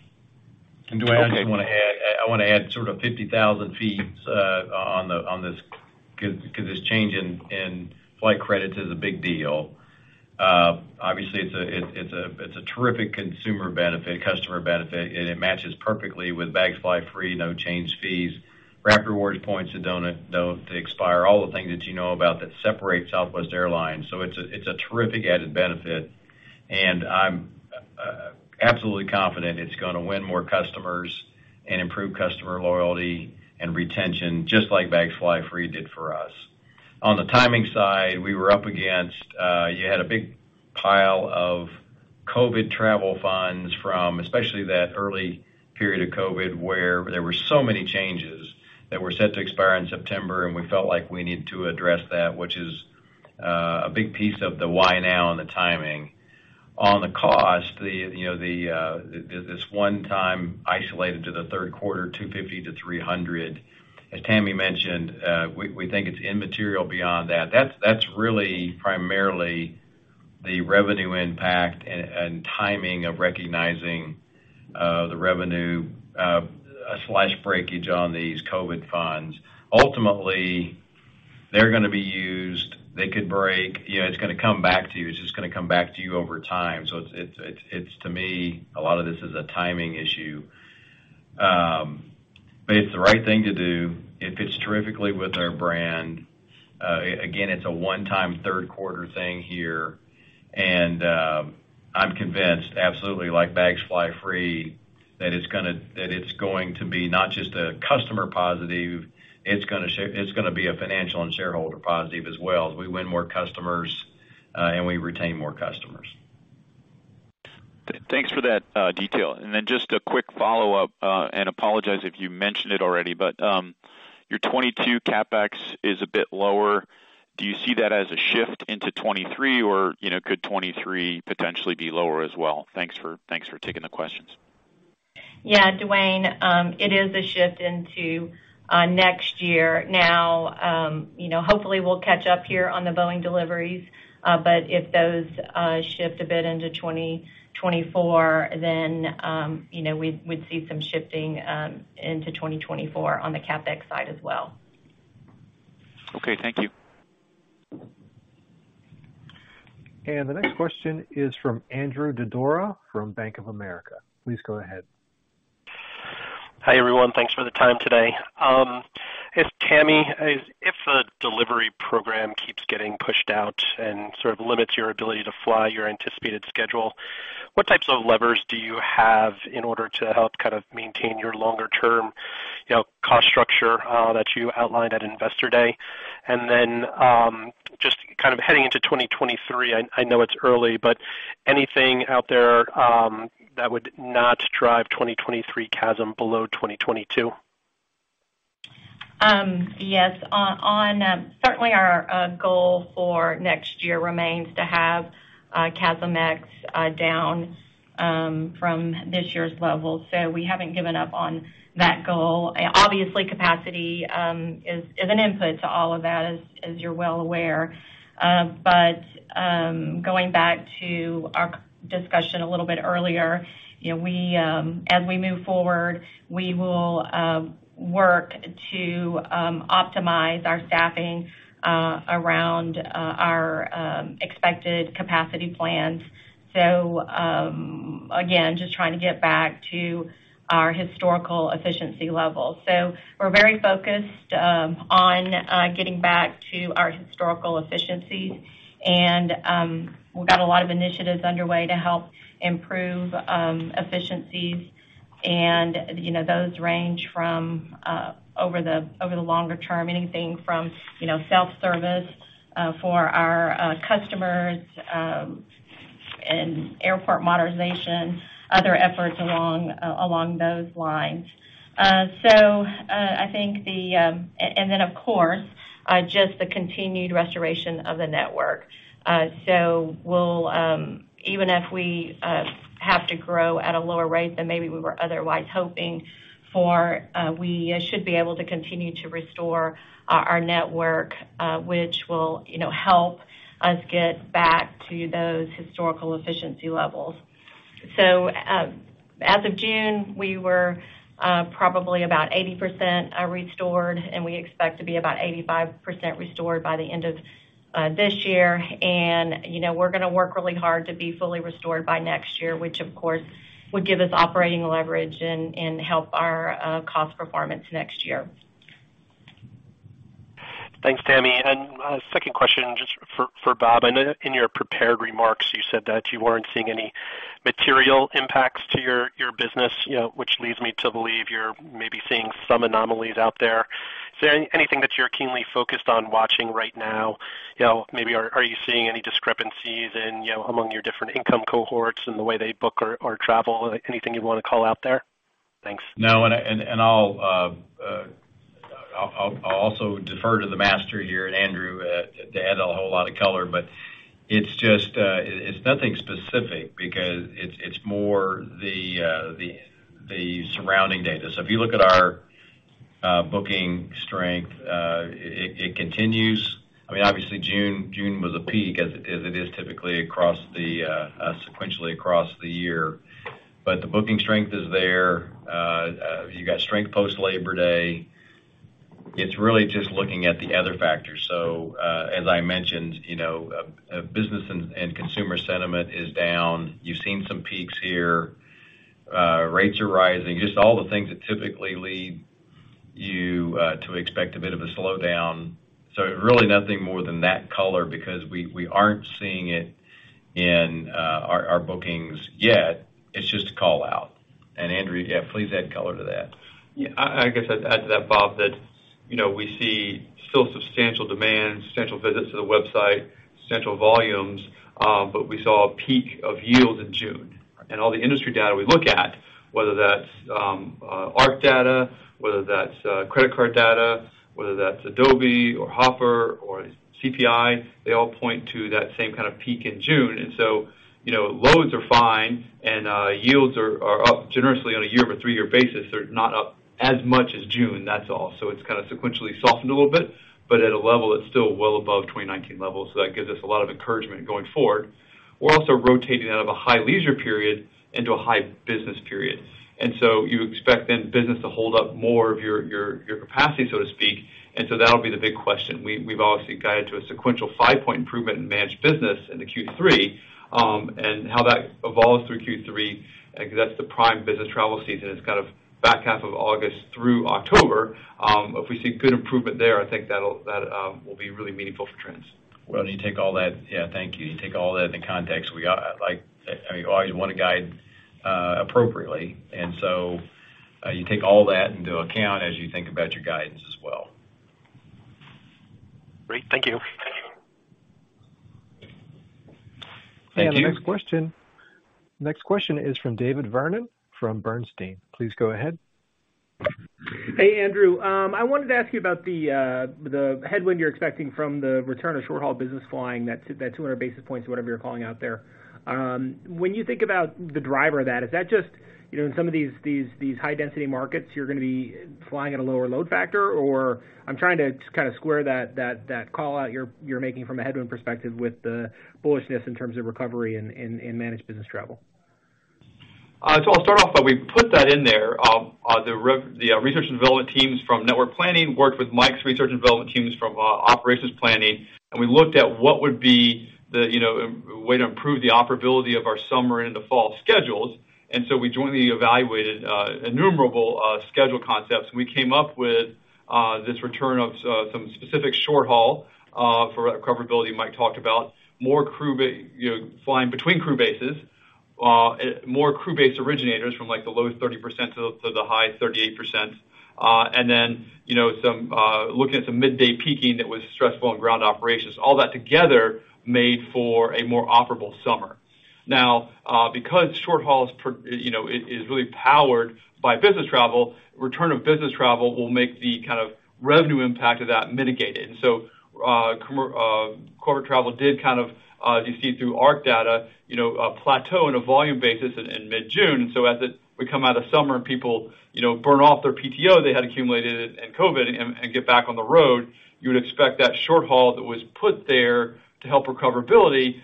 Duane, I just wanna add sort of 50,000 ft on this because this change in flight credit is a big deal. Obviously it's a terrific consumer benefit, customer benefit, and it matches perfectly with Bags Fly Free, no change fees, Rapid Rewards points that don't expire, all the things that you know about that separates Southwest Airlines. It's a terrific added benefit, and I'm absolutely confident it's gonna win more customers and improve customer loyalty and retention, just like Bags Fly Free did for us. On the timing side, we were up against, you had a big pile of COVID travel funds from, especially that early period of COVID, where there were so many changes that were set to expire in September, and we felt like we need to address that, which is a big piece of the why now and the timing. On the cost, you know, this one time isolated to the third quarter, $250 million-$300 million. As Tammy mentioned, we think it's immaterial beyond that. That's really primarily the revenue impact and timing of recognizing the revenue, a slight breakage on these COVID funds. Ultimately, they're gonna be used. They could break. You know, it's gonna come back to you. It's just gonna come back to you over time. It's to me a lot of this is a timing issue. It's the right thing to do. It fits terrifically with our brand. It's a one-time third quarter thing here, and I'm convinced absolutely like Bags Fly Free that it's going to be not just a customer positive, it's going to be a financial and shareholder positive as well as we win more customers and we retain more customers. Thanks for that detail. Then just a quick follow-up, and apologize if you mentioned it already, but your 2022 CapEx is a bit lower. Do you see that as a shift into 2023, or, you know, could 2023 potentially be lower as well? Thanks for taking the questions. Duane, it is a shift into next year. Now, you know, hopefully we'll catch up here on the Boeing deliveries, but if those shift a bit into 2024, then, you know, we'd see some shifting into 2024 on the CapEx side as well. Okay, thank you. The next question is from Andrew Didora from Bank of America. Please go ahead. Hi, everyone. Thanks for the time today. Tammy, if a delivery program keeps getting pushed out and sort of limits your ability to fly your anticipated schedule, what types of levers do you have in order to help kind of maintain your longer term, you know, cost structure that you outlined at Investor Day? Just kind of heading into 2023, I know it's early, but anything out there that would not drive 2023 CASM-X below 2022? Yes. And certainly our goal for next year remains to have CASM-X down from this year's level. We haven't given up on that goal. Obviously, capacity is an input to all of that, as you're well aware. But going back to our discussion a little bit earlier, you know, as we move forward, we will work to optimize our staffing around our expected capacity plans. Again, just trying to get back to our historical efficiency levels. We're very focused on getting back to our historical efficiencies, and we've got a lot of initiatives underway to help improve efficiencies. You know, those range from over the longer term, anything from, you know, self-service for our customers and airport modernization, other efforts along those lines. I think and then of course just the continued restoration of the network. We'll even if we have to grow at a lower rate than maybe we were otherwise hoping for, we should be able to continue to restore our network, which will, you know, help us get back to those historical efficiency levels. As of June, we were probably about 80% restored, and we expect to be about 85% restored by the end of this year. You know, we're gonna work really hard to be fully restored by next year, which of course would give us operating leverage and help our cost performance next year. Thanks, Tammy. Second question just for Bob. I know in your prepared remarks, you said that you weren't seeing any material impacts to your business, you know, which leads me to believe you're maybe seeing some anomalies out there. Is there anything that you're keenly focused on watching right now? You know, maybe are you seeing any discrepancies in, you know, among your different income cohorts and the way they book or travel? Anything you wanna call out there? Thanks. No. I'll also defer to the master here, Andrew, to add a whole lot of color. It's just nothing specific because it's more the surrounding data. If you look at our booking strength, it continues. I mean, obviously June was a peak as it is typically sequentially across the year. The booking strength is there. You got strength post Labor Day. It's really just looking at the other factors. As I mentioned, you know, business and consumer sentiment is down. You've seen some peaks here. Rates are rising. Just all the things that typically lead you to expect a bit of a slowdown. Really nothing more than that color because we aren't seeing it in our bookings yet. It's just a call-out. Andrew, yeah, please add color to that. Yeah. I guess I'd add to that, Bob, that you know, we see still substantial demand, substantial visits to the website, substantial volumes, but we saw a peak of yield in June. All the industry data we look at, whether that's ARC data, whether that's credit card data, whether that's Adobe or Hopper or CPI, they all point to that same kind of peak in June. You know, loads are fine and yields are up generously on a year-over-year basis. They're not up as much as June, that's all. It's kind of sequentially softened a little bit, but at a level that's still well above 2019 levels. That gives us a lot of encouragement going forward. We're also rotating out of a high leisure period into a high business period. You expect then business to hold up more of your capacity, so to speak, and so that'll be the big question. We've obviously guided to a sequential five-point improvement in managed business into Q3, and how that evolves through Q3, because that's the prime business travel season. It's kind of back half of August through October. If we see good improvement there, I think that'll be really meaningful for trends. Well, you take all that. Yeah, thank you. You take all that into context. We, like, I mean, always wanna guide appropriately, and so you take all that into account as you think about your guidance as well. Great. Thank you. Thank you. The next question is from David Vernon from Bernstein. Please go ahead. Hey, Andrew. I wanted to ask you about the headwind you're expecting from the return of short-haul business flying, that 200 basis points or whatever you're calling out there. When you think about the driver of that, is that just, you know, in some of these high-density markets, you're gonna be flying at a lower load factor? Or I'm trying to kind of square that call out you're making from a headwind perspective with the bullishness in terms of recovery in managed business travel. I'll start off by. We put that in there. The research and development teams from network planning worked with Mike's research and development teams from operations planning, and we looked at what would be the, you know, way to improve the operability of our summer into fall schedules. We jointly evaluated innumerable schedule concepts, and we came up with this return of some specific short haul for recoverability Mike talked about. More crew base, you know, flying between crew bases. More crew base originators from, like, the low 30% to the high 38%. And then, you know, some looking at some midday peaking that was stressful on ground operations. All that together made for a more operable summer. Now, because short haul is really powered by business travel, return of business travel will make the kind of revenue impact of that mitigated. Corporate travel did kind of, you see through ARC data, you know, plateau in a volume basis in mid-June. As we come out of summer and people, you know, burn off their PTO they had accumulated in COVID and get back on the road, you would expect that short haul that was put there to help recoverability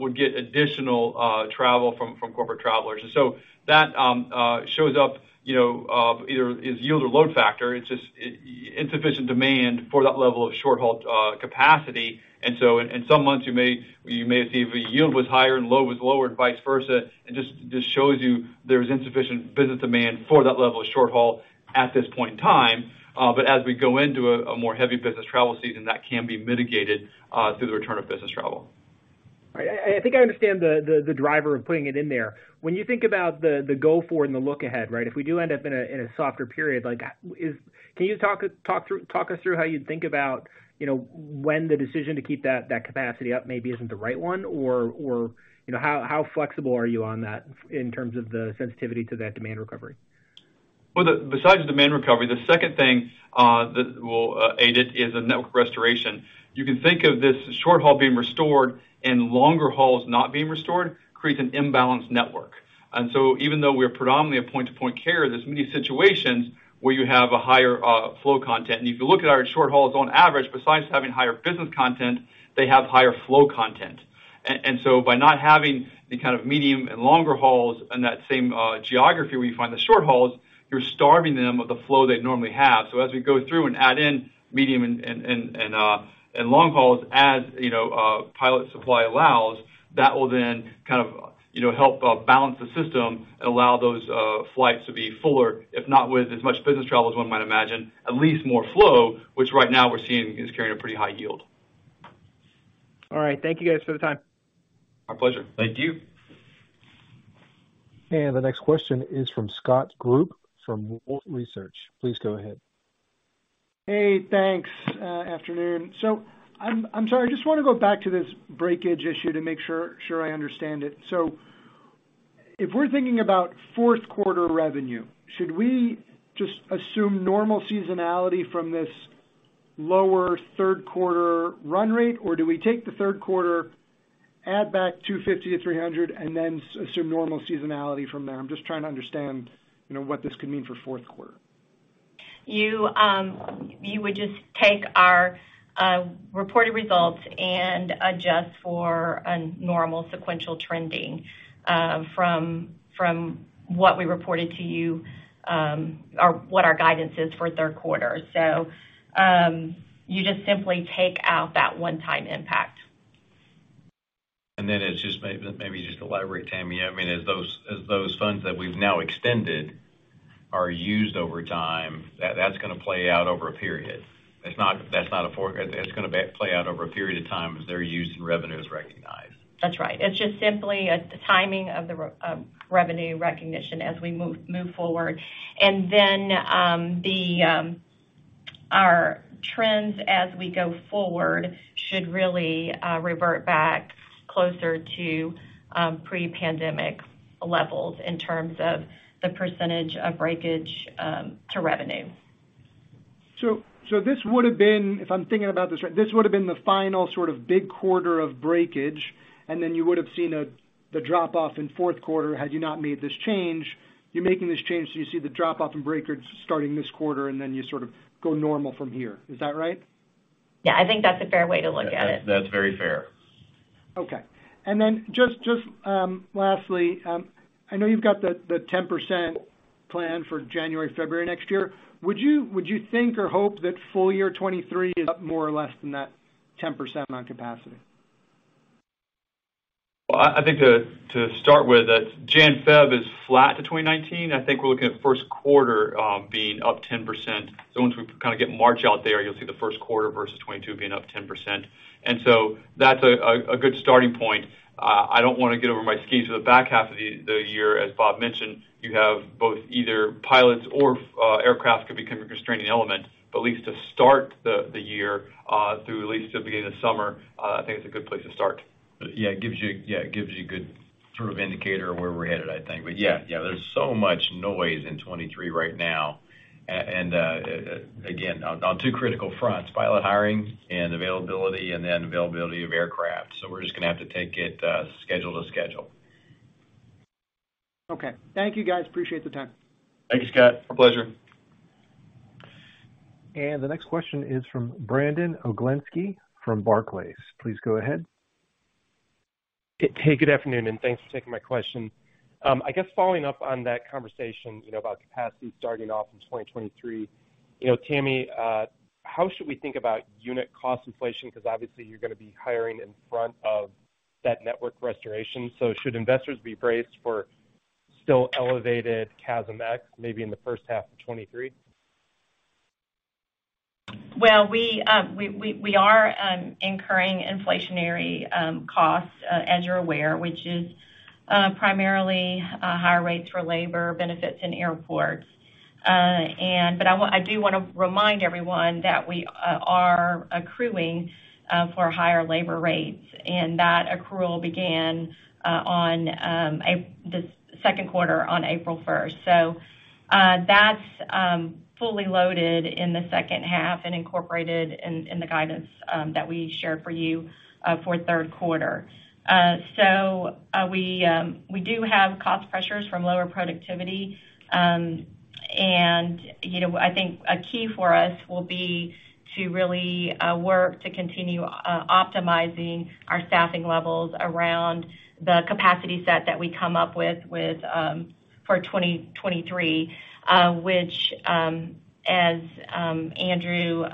would get additional travel from corporate travelers. That shows up, you know, either as yield or load factor. It's just insufficient demand for that level of short-haul capacity. In some months, you may see the yield was higher and low was lower and vice versa. It just shows you there's insufficient business demand for that level of short haul at this point in time. But as we go into a more heavy business travel season, that can be mitigated through the return of business travel. Right. I think I understand the driver of putting it in there. When you think about the go forward and the look ahead, right? If we do end up in a softer period, can you talk us through how you'd think about, you know, when the decision to keep that capacity up maybe isn't the right one or, you know, how flexible are you on that in terms of the sensitivity to that demand recovery? Well, besides the demand recovery, the second thing that will aid it is a network restoration. You can think of this short haul being restored and longer hauls not being restored creates an imbalanced network. Even though we're predominantly a point-to-point carrier, there's many situations where you have a higher flow content. If you look at our short hauls on average, besides having higher business content, they have higher flow content. By not having the kind of medium and longer hauls in that same geography where you find the short hauls, you're starving them of the flow they'd normally have. As we go through and add in medium and long hauls as you know pilot supply allows, that will then kind of you know help balance the system and allow those flights to be fuller, if not with as much business travel as one might imagine, at least more flow, which right now we're seeing is carrying a pretty high yield. All right. Thank you guys for the time. My pleasure. Thank you. The next question is from Scott Group from Wolfe Research. Please go ahead. Hey, thanks. Afternoon. I'm sorry, I just wanna go back to this breakage issue to make sure I understand it. If we're thinking about fourth quarter revenue, should we just assume normal seasonality from this lower third quarter run rate? Or do we take the third quarter, add back $250 million-$300 million and then assume normal seasonality from there? I'm just trying to understand, you know, what this could mean for fourth quarter. You would just take our reported results and adjust for a normal sequential trending from what we reported to you or what our guidance is for third quarter. You just simply take out that one-time impact. It's just maybe to just elaborate, Tammy. I mean, as those funds that we've now extended are used over time, that's gonna play out over a period. That's not a forecast. It's gonna play out over a period of time as they're used and revenue is recognized. That's right. It's just simply a timing of the revenue recognition as we move forward. Our trends as we go forward should really revert back closer to pre-pandemic levels in terms of the percentage of breakage to revenue. This would have been, if I'm thinking about this right, the final sort of big quarter of breakage, and then you would have seen the drop-off in fourth quarter had you not made this change. You're making this change, so you see the drop-off in breakage starting this quarter, and then you sort of go normal from here. Is that right? Yeah, I think that's a fair way to look at it. That's very fair. Okay. Just lastly, I know you've got the 10% plan for January, February next year. Would you think or hope that full year 2023 is up more or less than that 10% on capacity? I think to start with, January, February is flat to 2019. I think we're looking at first quarter being up 10%. Once we kinda get March out there, you'll see the first quarter versus 2022 being up 10%. That's a good starting point. I don't wanna get over my skis for the back half of the year. As Bob mentioned, you have both either pilots or aircraft could become a constraining element, at least to start the year through at least to the beginning of summer. I think it's a good place to start. Yeah, it gives you a good sort of indicator of where we're headed, I think. But yeah, there's so much noise in 2023 right now. Again, on two critical fronts, pilot hiring and availability, and then availability of aircraft. We're just gonna have to take it, schedule-to-schedule. Okay. Thank you, guys. Appreciate the time. Thank you, Scott. Pleasure. The next question is from Brandon Oglenski from Barclays. Please go ahead. Hey, good afternoon, and thanks for taking my question. I guess following up on that conversation, you know, about capacity starting off in 2023. You know, Tammy, how should we think about unit cost inflation? Because obviously you're gonna be hiring in front of that network restoration. Should investors be braced for still elevated CASM-X maybe in the first half of 2023? Well, we are incurring inflationary costs as you're aware, which is primarily higher rates for labor benefits in airports. I do wanna remind everyone that we are accruing for higher labor rates, and that accrual began on the second quarter on April first. That's fully loaded in the second half and incorporated in the guidance that we shared for you for third quarter. We do have cost pressures from lower productivity. I think a key for us will be to really work to continue optimizing our staffing levels around the capacity set that we come up with for 2023, which as Andrew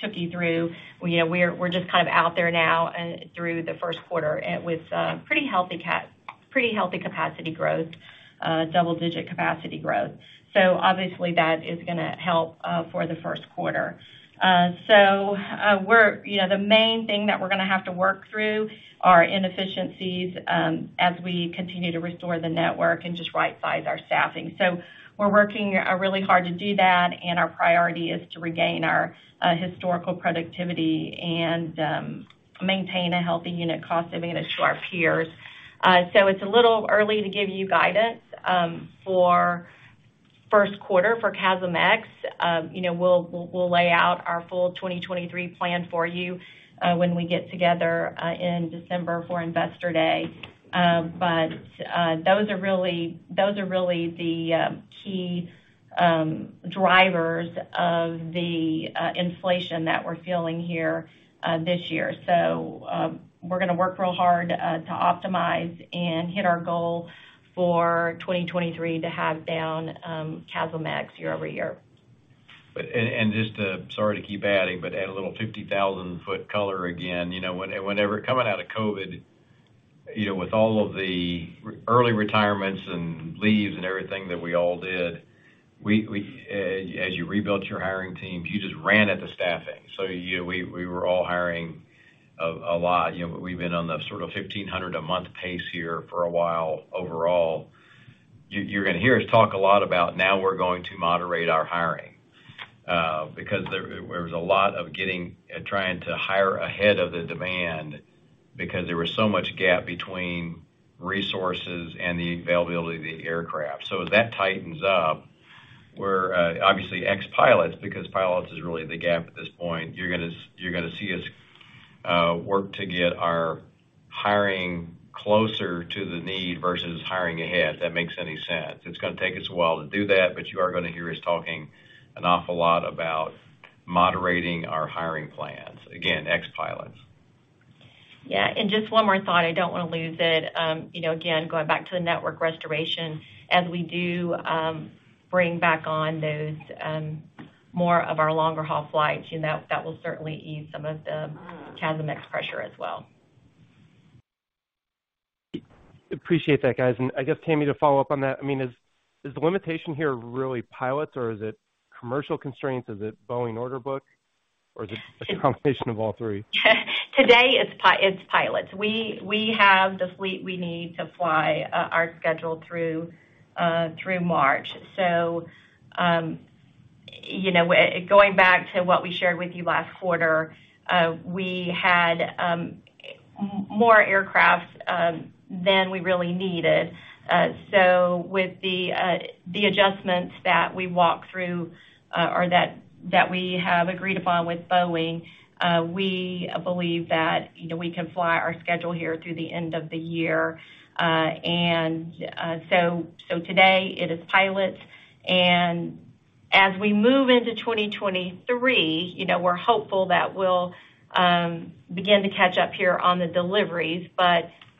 took you through, you know, we're just kind of out there now and through the first quarter and with pretty healthy capacity growth, double-digit capacity growth. Obviously that is gonna help for the first quarter. You know, the main thing that we're gonna have to work through are inefficiencies as we continue to restore the network and just right-size our staffing. We're working really hard to do that, and our priority is to regain our historical productivity and maintain a healthy unit cost advantage to our peers. It's a little early to give you guidance for first quarter for CASM-X. You know, we'll lay out our full 2023 plan for you when we get together in December for Investor Day. Those are really the key drivers of the inflation that we're feeling here this year. We're gonna work real hard to optimize and hit our goal for 2023 to have down CASM-X year-over-year. Sorry to keep adding, but to add a little 50,000-ft color again. You know, whenever coming out of COVID, you know, with all of the early retirements and leaves and everything that we all did, as you rebuilt your hiring teams, you just ran ahead of the staffing. We were all hiring a lot. You know, we've been on the sort of 1,500 a month pace here for a while overall. You're gonna hear us talk a lot about how we're going to moderate our hiring, because there was a lot of catching up and trying to hire ahead of the demand because there was so much gap between resources and the availability of the aircraft. As that tightens up, obviously ex-pilots, because pilots is really the gap at this point. You're gonna see us work to get our hiring closer to the need versus hiring ahead, if that makes any sense. It's gonna take us a while to do that, but you are gonna hear us talking an awful lot about moderating our hiring plans. Again, ex-pilots. Yeah. Just one more thought, I don't wanna lose it. You know, again, going back to the network restoration, as we do bring back on those more of our longer-haul flights, you know, that will certainly ease some of the CASM-X pressure as well. Appreciate that, guys. I guess, Tammy, to follow up on that, I mean, is the limitation here really pilots or is it commercial constraints? Is it Boeing order book? Just a combination of all three? Today it's pilots. We have the fleet we need to fly our schedule through March. You know, going back to what we shared with you last quarter, we had more aircraft than we really needed. With the adjustments that we walked through or that we have agreed upon with Boeing, we believe that, you know, we can fly our schedule here through the end of the year. Today it is pilots. As we move into 2023, you know, we're hopeful that we'll begin to catch up here on the deliveries.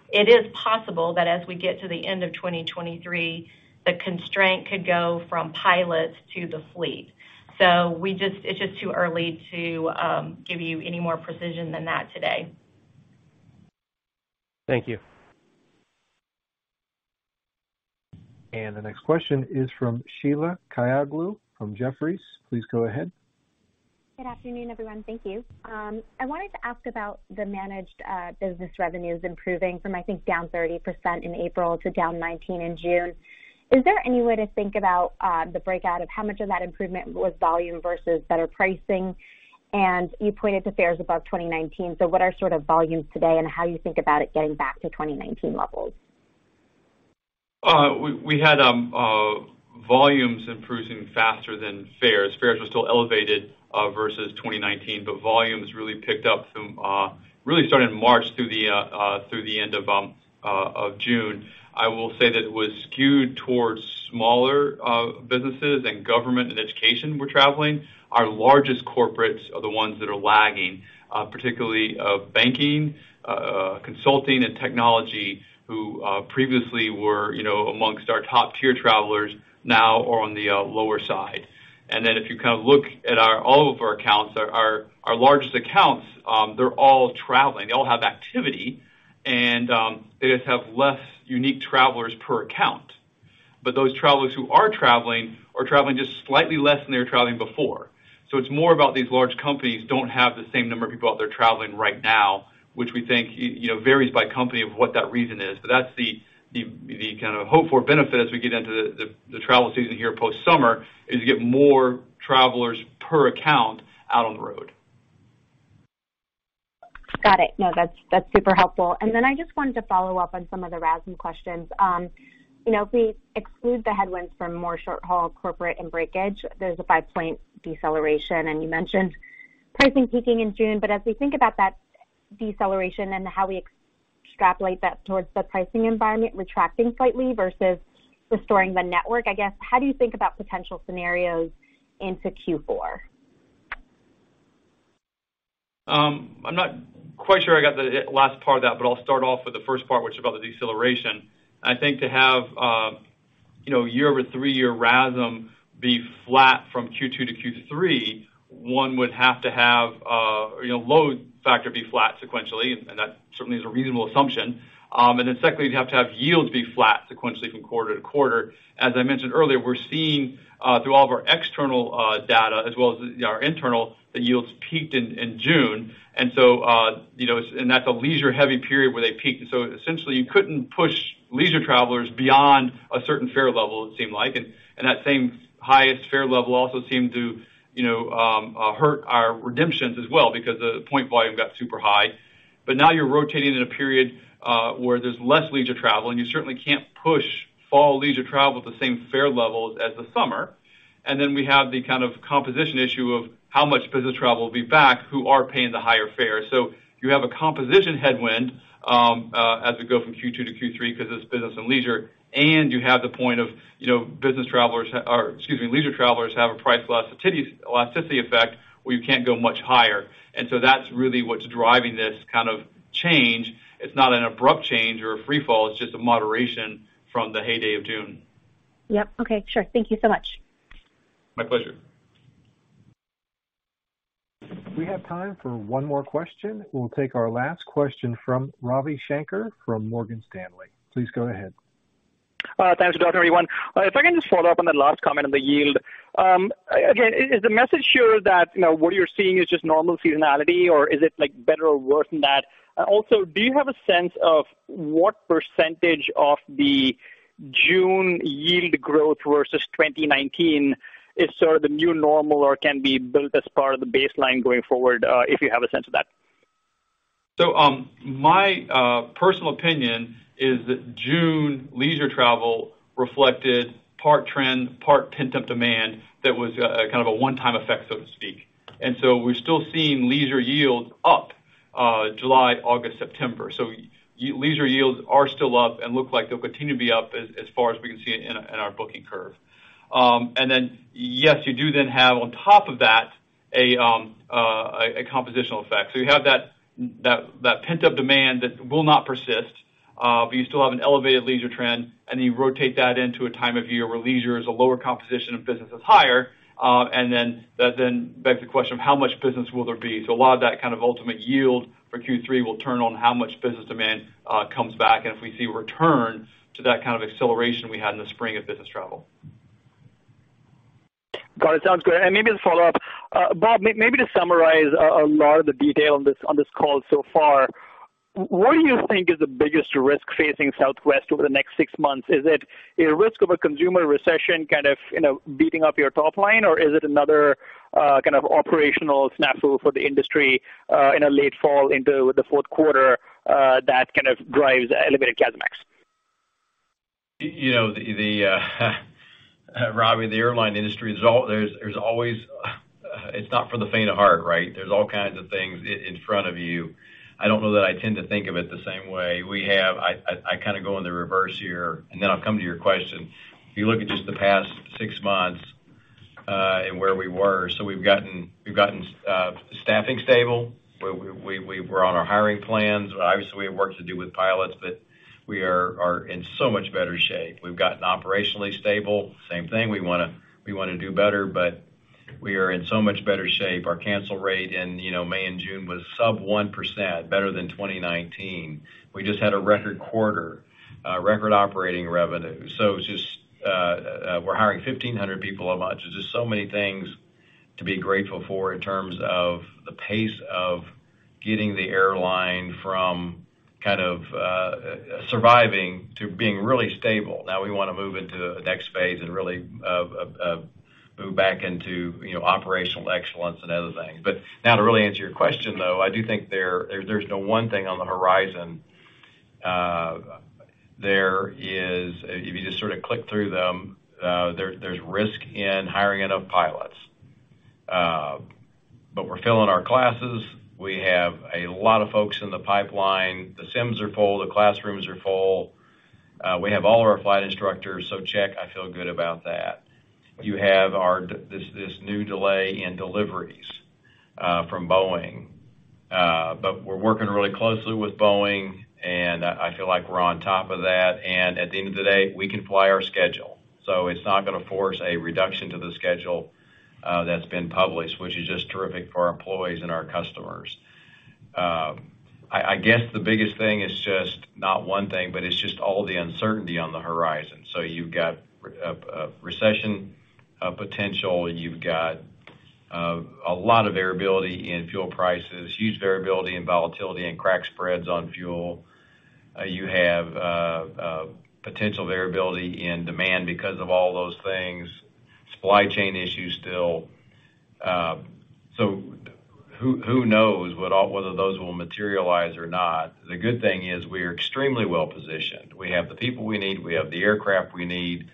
It is possible that as we get to the end of 2023, the constraint could go from pilots to the fleet. It's just too early to give you any more precision than that today. Thank you. The next question is from Sheila Kahyaoglu from Jefferies. Please go ahead. Good afternoon, everyone. Thank you. I wanted to ask about the managed business revenues improving from, I think, down 30% in April to down 19% in June. Is there any way to think about the breakout of how much of that improvement was volume versus better pricing? You pointed to fares above 2019, so what are sort of volumes today and how you think about it getting back to 2019 levels? We had volumes improving faster than fares. Fares were still elevated versus 2019, but volumes really picked up from really starting in March through the end of June. I will say that it was skewed towards smaller businesses and government and education were traveling. Our largest corporates are the ones that are lagging particularly banking consulting and technology who previously were you know amongst our top-tier travelers now are on the lower side. If you kind of look at all of our accounts our largest accounts they're all traveling. They all have activity and they just have less unique travelers per account. Those travelers who are traveling are traveling just slightly less than they were traveling before. It's more about these large companies don't have the same number of people out there traveling right now, which we think, you know, varies by company of what that reason is. That's the kind of hope for benefit as we get into the travel season here post-summer, is you get more travelers per account out on the road. Got it. No, that's super helpful. I just wanted to follow up on some of the RASM questions. You know, if we exclude the headwinds from more short-haul corporate and breakage, there's a five-point deceleration, and you mentioned pricing peaking in June. As we think about that deceleration and how we extrapolate that towards the pricing environment retracting slightly versus restoring the network, I guess, how do you think about potential scenarios into Q4? I'm not quite sure I got the last part of that, but I'll start off with the first part, which is about the deceleration. I think to have year-over-year RASM be flat from Q2 to Q3, one would have to have load factor be flat sequentially, and that certainly is a reasonable assumption. Then secondly, you'd have to have yields be flat sequentially from quarter to quarter. As I mentioned earlier, we're seeing through all of our external data as well as our internal that yields peaked in June. That's a leisure-heavy period where they peaked. Essentially, you couldn't push leisure travelers beyond a certain fare level, it seemed like. That same highest fare level also seemed to, you know, hurt our redemptions as well because the point volume got super high. Now you're rotating in a period where there's less leisure travel, and you certainly can't push fall leisure travel at the same fare levels as the summer. Then we have the kind of composition issue of how much business travel will be back who are paying the higher fares. You have a composition headwind as we go from Q2 to Q3 because it's business and leisure, and you have the point of, you know, business travelers or excuse me, leisure travelers have a price elasticity effect where you can't go much higher. That's really what's driving this kind of change. It's not an abrupt change or a free fall, it's just a moderation from the heyday of June. Yep. Okay. Sure. Thank you so much. My pleasure. We have time for one more question. We'll take our last question from Ravi Shanker from Morgan Stanley. Please go ahead. Thanks for joining everyone. If I can just follow up on that last comment on the yield. Again, is the message here that, you know, what you're seeing is just normal seasonality or is it like better or worse than that? Also, do you have a sense of what percentage of the June yield growth versus 2019 is sort of the new normal or can be built as part of the baseline going forward, if you have a sense of that? My personal opinion is that June leisure travel reflected part trend, part pent-up demand that was kind of a one-time effect, so to speak. We're still seeing leisure yields up July, August, September. Leisure yields are still up and look like they'll continue to be up as far as we can see in our booking curve. Yes, you do then have on top of that a compositional effect. You have that pent-up demand that will not persist, but you still have an elevated leisure trend, and you rotate that into a time of year where leisure is a lower composition and business is higher. That then begs the question of how much business will there be? A lot of that kind of ultimate yield for Q3 will turn on how much business demand comes back, and if we see a return to that kind of acceleration we had in the spring of business travel. Got it. Sounds good. Maybe to follow up. Bob, maybe to summarize a lot of the detail on this call so far, what do you think is the biggest risk facing Southwest over the next six months? Is it a risk of a consumer recession kind of, you know, beating up your top line? Or is it another kind of operational snafu for the industry, in a late fall into the fourth quarter, that kind of drives elevated CASM-X? You know, Ravi, the airline industry, there's always. It's not for the faint of heart, right? There's all kinds of things in front of you. I don't know that I tend to think of it the same way. I kind of go in the reverse here, and then I'll come to your question. If you look at just the past six months and where we were. We've gotten staffing stable. We're on our hiring plans. Obviously, we have work to do with pilots, but we are in so much better shape. We've gotten operationally stable. Same thing, we wanna do better, but we are in so much better shape. Our cancel rate in May and June was sub 1% better than 2019. We just had a record quarter, record operating revenue. We're hiring 1,500 people a month. There's just so many things to be grateful for in terms of the pace of getting the airline from kind of surviving to being really stable. Now we wanna move into the next phase and really move back into, you know, operational excellence and other things. Now to really answer your question, though, I do think there's no one thing on the horizon. If you just sort of click through them, there's risk in hiring enough pilots. We're filling our classes. We have a lot of folks in the pipeline. The sims are full, the classrooms are full. We have all of our flight instructors, so check, I feel good about that. You have this new delay in deliveries from Boeing. But we're working really closely with Boeing, and I feel like we're on top of that. At the end of the day, we can fly our schedule, so it's not gonna force a reduction to the schedule that's been published, which is just terrific for our employees and our customers. I guess the biggest thing is just not one thing, but it's just all the uncertainty on the horizon. You've got a recession potential. You've got a lot of variability in fuel prices, huge variability and volatility in crack spreads on fuel. You have potential variability in demand because of all those things. Supply chain issues still. Who knows whether those will materialize or not. The good thing is we are extremely well-positioned. We have the people we need. We have the aircraft we need.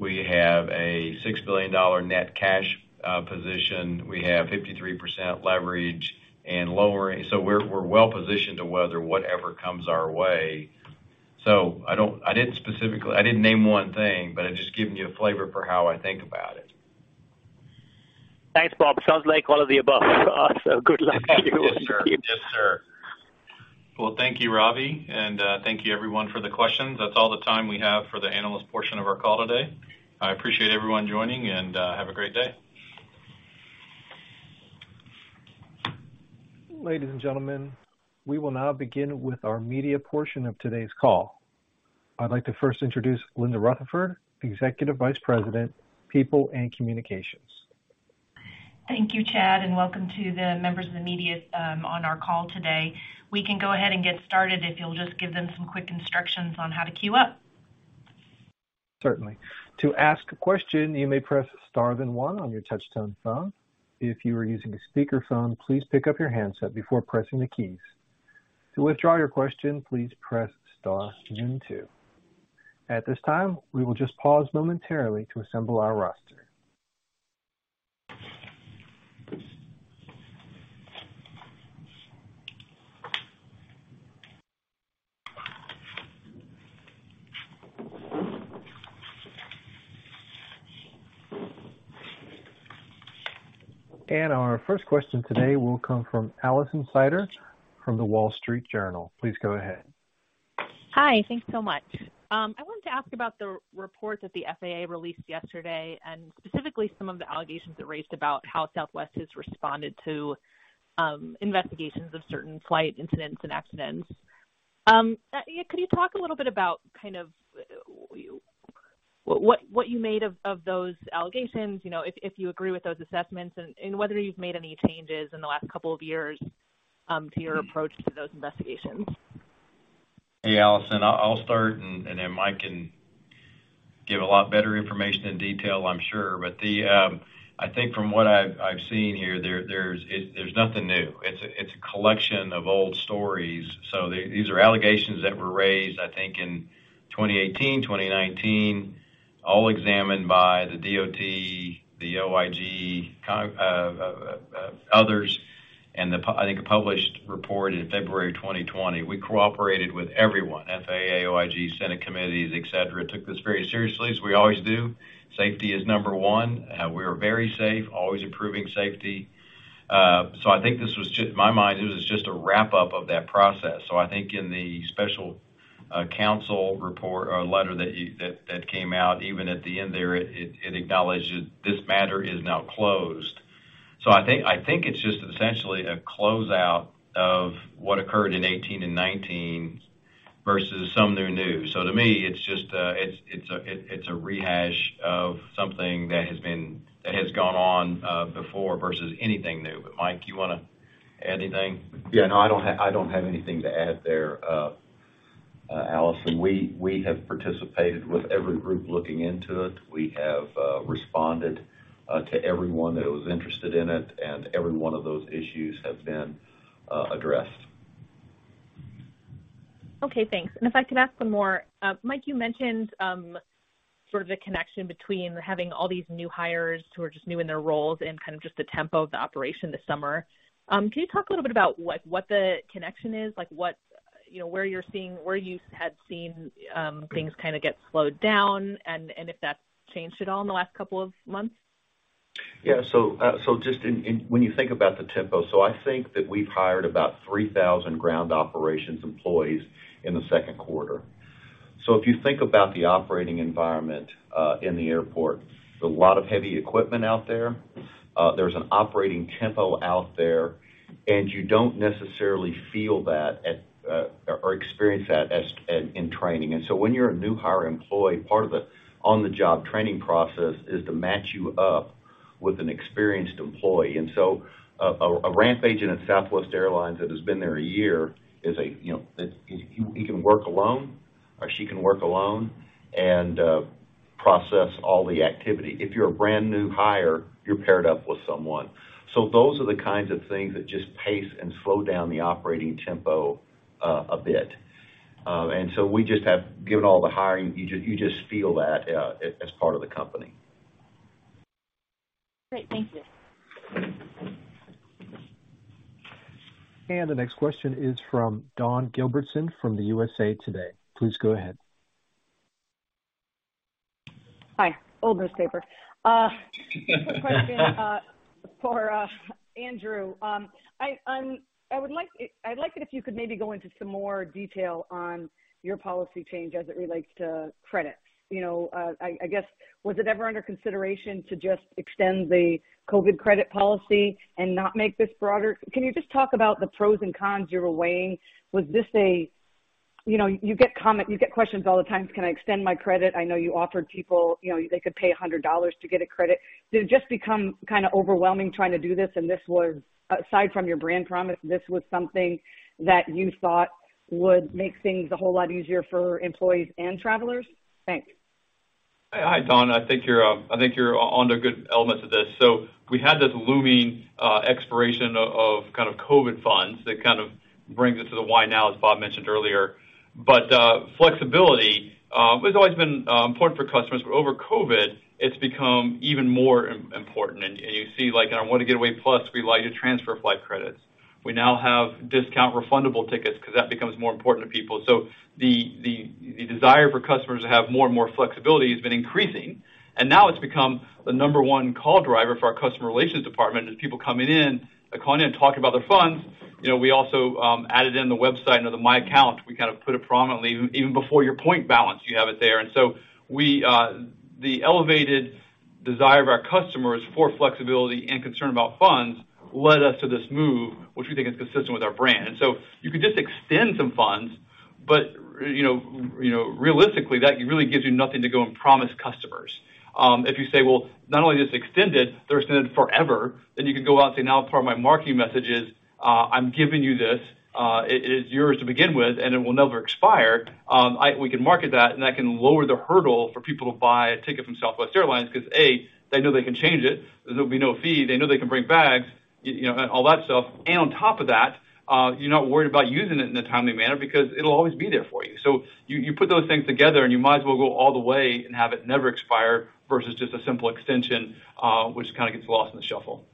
We have a $6 billion net cash position. We have 53% leverage and lowering. We're well-positioned to weather whatever comes our way. I didn't name one thing, but I'm just giving you a flavor for how I think about it. Thanks, Bob. Sounds like all of the above for us, so good luck to you. Yes, sir. Yes, sir. Well, thank you, Ravi, and thank you everyone for the questions. That's all the time we have for the analyst portion of our call today. I appreciate everyone joining, and have a great day. Ladies and gentlemen, we will now begin with our media portion of today's call. I'd like to first introduce Linda Rutherford, Executive Vice President, People and Communications. Thank you, Chad, and welcome to the members of the media, on our call today. We can go ahead and get started if you'll just give them some quick instructions on how to queue up. Certainly. To ask a question, you may press star then one on your touch-tone phone. If you are using a speaker phone, please pick up your handset before pressing the keys. To withdraw your question, please press star then two. At this time, we will just pause momentarily to assemble our roster. Our first question today will come from Alison Sider from The Wall Street Journal. Please go ahead. Hi. Thanks so much. I wanted to ask about the report that the FAA released yesterday, and specifically some of the allegations it raised about how Southwest has responded to investigations of certain flight incidents and accidents. Could you talk a little bit about kind of what you made of those allegations? You know, if you agree with those assessments and whether you've made any changes in the last couple of years to your approach to those investigations? Hey, Alison. I'll start, and then Mike can give a lot better information and detail, I'm sure. I think from what I've seen here, there's nothing new. It's a collection of old stories. These are allegations that were raised, I think, in 2018, 2019, all examined by the DOT, the OIG, kind of others, and a published report in February 2020. We cooperated with everyone, FAA, OIG, Senate Committees, et cetera, took this very seriously, as we always do. Safety is number one. We are very safe, always improving safety. I think this was just in my mind, this was just a wrap-up of that process. I think in the special counsel report or letter that came out, even at the end there, it acknowledged that this matter is now closed. I think it's just essentially a closeout of what occurred in 2018 and 2019 versus some new news. To me, it's just a rehash of something that has gone on before versus anything new. Mike, you wanna add anything? Yeah, no, I don't have anything to add there, Alison. We have participated with every group looking into it. We have responded to everyone that was interested in it, and every one of those issues have been addressed. Okay, thanks. If I could ask some more. Mike, you mentioned, sort of the connection between having all these new hires who are just new in their roles and kind of just the tempo of the operation this summer. Can you talk a little bit about what the connection is? Like, what, you know, where you had seen things kind of get slowed down and if that's changed at all in the last couple of months? Yeah. When you think about the tempo, I think that we've hired about 3,000 ground operations employees in the second quarter. If you think about the operating environment in the airport, there's a lot of heavy equipment out there. There's an operating tempo out there, and you don't necessarily feel that or experience that in training. When you're a new hire employee, part of the on-the-job training process is to match you up with an experienced employee. A ramp agent at Southwest Airlines that has been there a year, you know, he can work alone or she can work alone and process all the activity. If you're a brand-new hire, you're paired up with someone. Those are the kinds of things that just pace and slow down the operating tempo a bit. We just have given all the hiring, you just feel that as part of the company. Great. Thank you. The next question is from Dawn Gilbertson from the USA Today. Please go ahead. Hi. Old newspaper. Question for Andrew. I'd like it if you could maybe go into some more detail on your policy change as it relates to credits. You know, I guess, was it ever under consideration to just extend the COVID credit policy and not make this broader? Can you just talk about the pros and cons you were weighing? Was this a, you know, you get questions all the time, "Can I extend my credit?" I know you offered people, you know, they could pay $100 to get a credit. Did it just become kinda overwhelming trying to do this, and this was, aside from your brand promise, this was something that you thought would make things a whole lot easier for employees and travelers? Thanks. Hi, Dawn. I think you're on the good elements of this. We had this looming expiration of kind of COVID funds that kind of brings it to the why now, as Bob mentioned earlier. Flexibility has always been important for customers, but over COVID, it's become even more important. You see, like on Wanna Get Away Plus, we allow you to transfer flight credits. We now have discount refundable tickets 'cause that becomes more important to people. The desire for customers to have more and more flexibility has been increasing, and now it's become the number one call driver for our customer relations department, people calling in talking about their funds. You know, we also added in the website under My Account, we kind of put it prominently even before your point balance, you have it there. The elevated desire of our customers for flexibility and concern about funds led us to this move, which we think is consistent with our brand. You could just extend some funds, but you know, realistically, that really gives you nothing to go and promise customers. If you say, "Well, not only is this extended, they're extended forever," then you can go out and say, "Now part of my marketing message is, I'm giving you this. It is yours to begin with, and it will never expire." We can market that, and that can lower the hurdle for people to buy a ticket from Southwest Airlines because, A, they know they can change it. There'll be no fee. They know they can bring bags, you know, and all that stuff. On top of that, you're not worried about using it in a timely manner because it'll always be there for you. You put those things together, and you might as well go all the way and have it never expire versus just a simple extension, which kind of gets lost in the shuffle.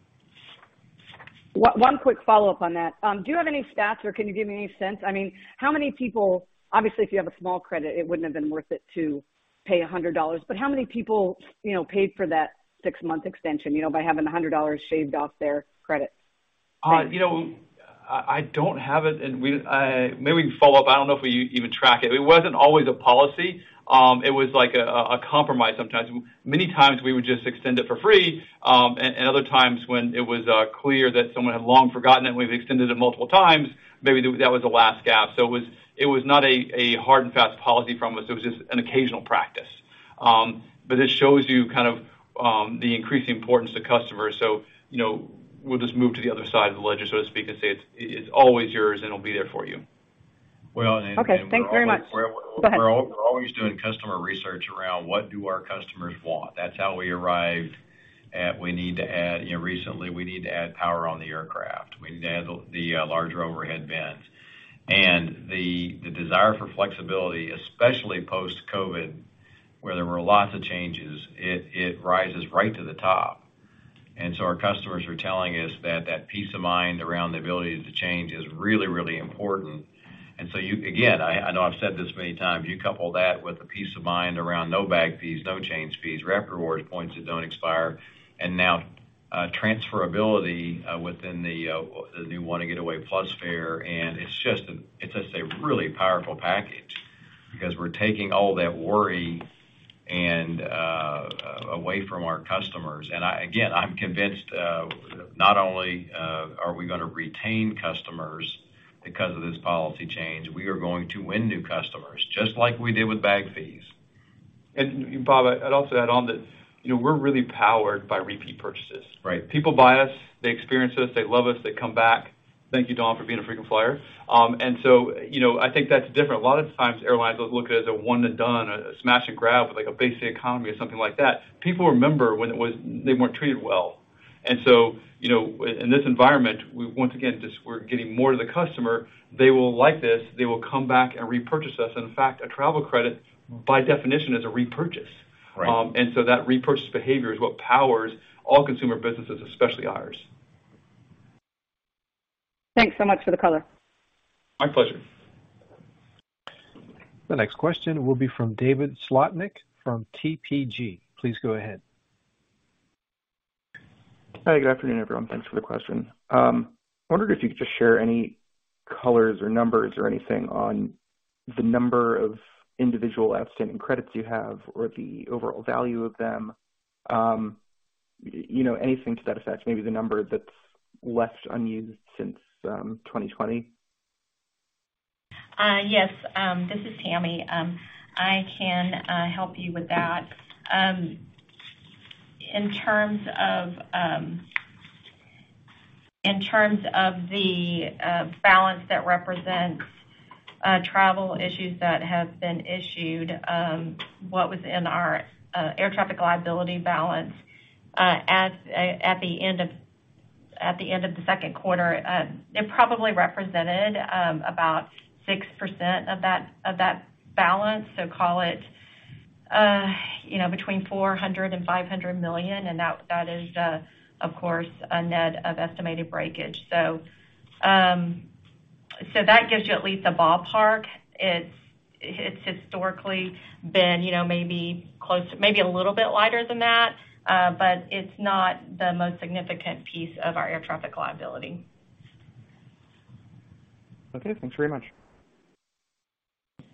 One quick follow-up on that. Do you have any stats or can you give me any sense? I mean, how many people, obviously, if you have a small credit, it wouldn't have been worth it to pay $100. But how many people, you know, paid for that six-month extension, you know, by having $100 shaved off their credit? Thanks. You know, I don't have it and we maybe can follow up. I don't know if we even track it. It wasn't always a policy. It was like a compromise sometimes. Many times we would just extend it for free. Other times when it was clear that someone had long forgotten it, and we've extended it multiple times, maybe that was the last gap. It was not a hard and fast policy from us. It was just an occasional practice. It shows you kind of the increased importance to customers. You know, we'll just move to the other side of the ledger, so to speak, and say "it's always yours, and it'll be there for you." Well, we're always. Okay. Thanks very much. Go ahead. We're always doing customer research around what do our customers want. That's how we arrived at, you know, recently we need to add power on the aircraft. We need to add the larger overhead bins. The desire for flexibility, especially post-COVID, where there were lots of changes, it rises right to the top. Our customers are telling us that peace of mind around the ability to change is really important. You again, I know I've said this many times, you couple that with the peace of mind around no bag fees, no change fees, Rapid Rewards points that don't expire, and now, transferability within the new Wanna Get Away Plus fare, and it's just a really powerful package. Because we're taking all that worry and away from our customers. I again, I'm convinced, not only are we gonna retain customers because of this policy change, we are going to win new customers, just like we did with bag fees. Bob, I'd also add on that, you know, we're really powered by repeat purchases, right? People buy us, they experience us, they love us, they come back. Thank you, Dawn, for being a frequent flyer. You know, I think that's different. A lot of times airlines will look at as a one and done, a smash and grab with like a basic economy or something like that. People remember when they weren't treated well. You know, in this environment, we once again, just we're giving more to the customer. They will like this. They will come back and repurchase us. In fact, a travel credit by definition is a repurchase. Right. That repurchase behavior is what powers all consumer businesses, especially ours. Thanks so much for the color. My pleasure. The next question will be from David Slotnick from TPG. Please go ahead. Hi, good afternoon, everyone. Thanks for the question. Wondered if you could just share any colors or numbers or anything on the number of individual outstanding credits you have or the overall value of them, you know, anything to that effect, maybe the number that's left unused since 2020. Yes. This is Tammy. I can help you with that. In terms of the balance that represents travel issues that have been issued, what was in our air traffic liability balance at the end of the second quarter, it probably represented about 6% of that balance. Call it, you know, between $400 million and $500 million, and that is, of course, a net of estimated breakage. That gives you at least a ballpark. It's historically been, you know, maybe close to, maybe a little bit lighter than that, but it's not the most significant piece of our air traffic liability. Okay, thanks very much.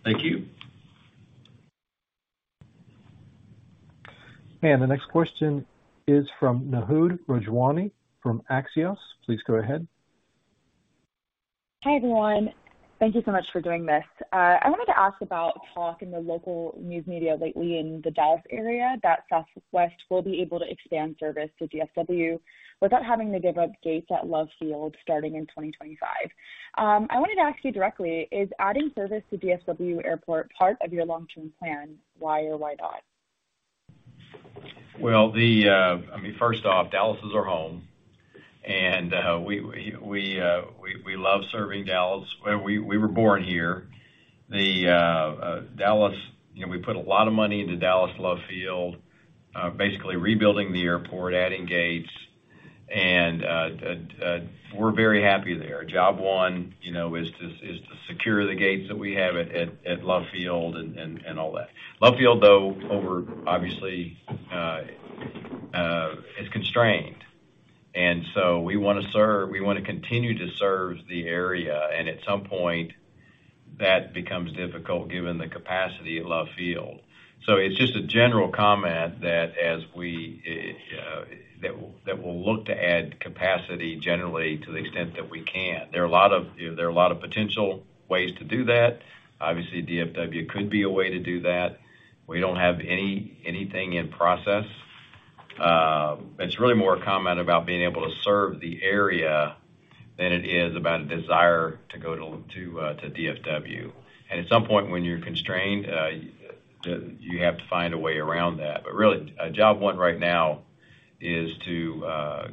Thank you. The next question is from Naheed Rajwani from Axios. Please go ahead. Hi, everyone. Thank you so much for doing this. I wanted to ask about talk in the local news media lately in the Dallas area that Southwest will be able to expand service to DFW without having to give up gates at Love Field starting in 2025. I wanted to ask you directly, is adding service to DFW Airport part of your long-term plan? Why or why not? Well, I mean, first off, Dallas is our home. We love serving Dallas. We were born here. Dallas, you know, we put a lot of money into Dallas Love Field, basically rebuilding the airport, adding gates, and we're very happy there. Job one, you know, is to secure the gates that we have at Love Field and all that. Love Field, though, however, obviously, is constrained. We wanna continue to serve the area, and at some point, that becomes difficult given the capacity at Love Field. It's just a general comment that we'll look to add capacity generally to the extent that we can. There are a lot of, you know, potential ways to do that. Obviously, DFW could be a way to do that. We don't have anything in process. It's really more a comment about being able to serve the area than it is about a desire to go to DFW. At some point, when you're constrained, you have to find a way around that. But really, job one right now is to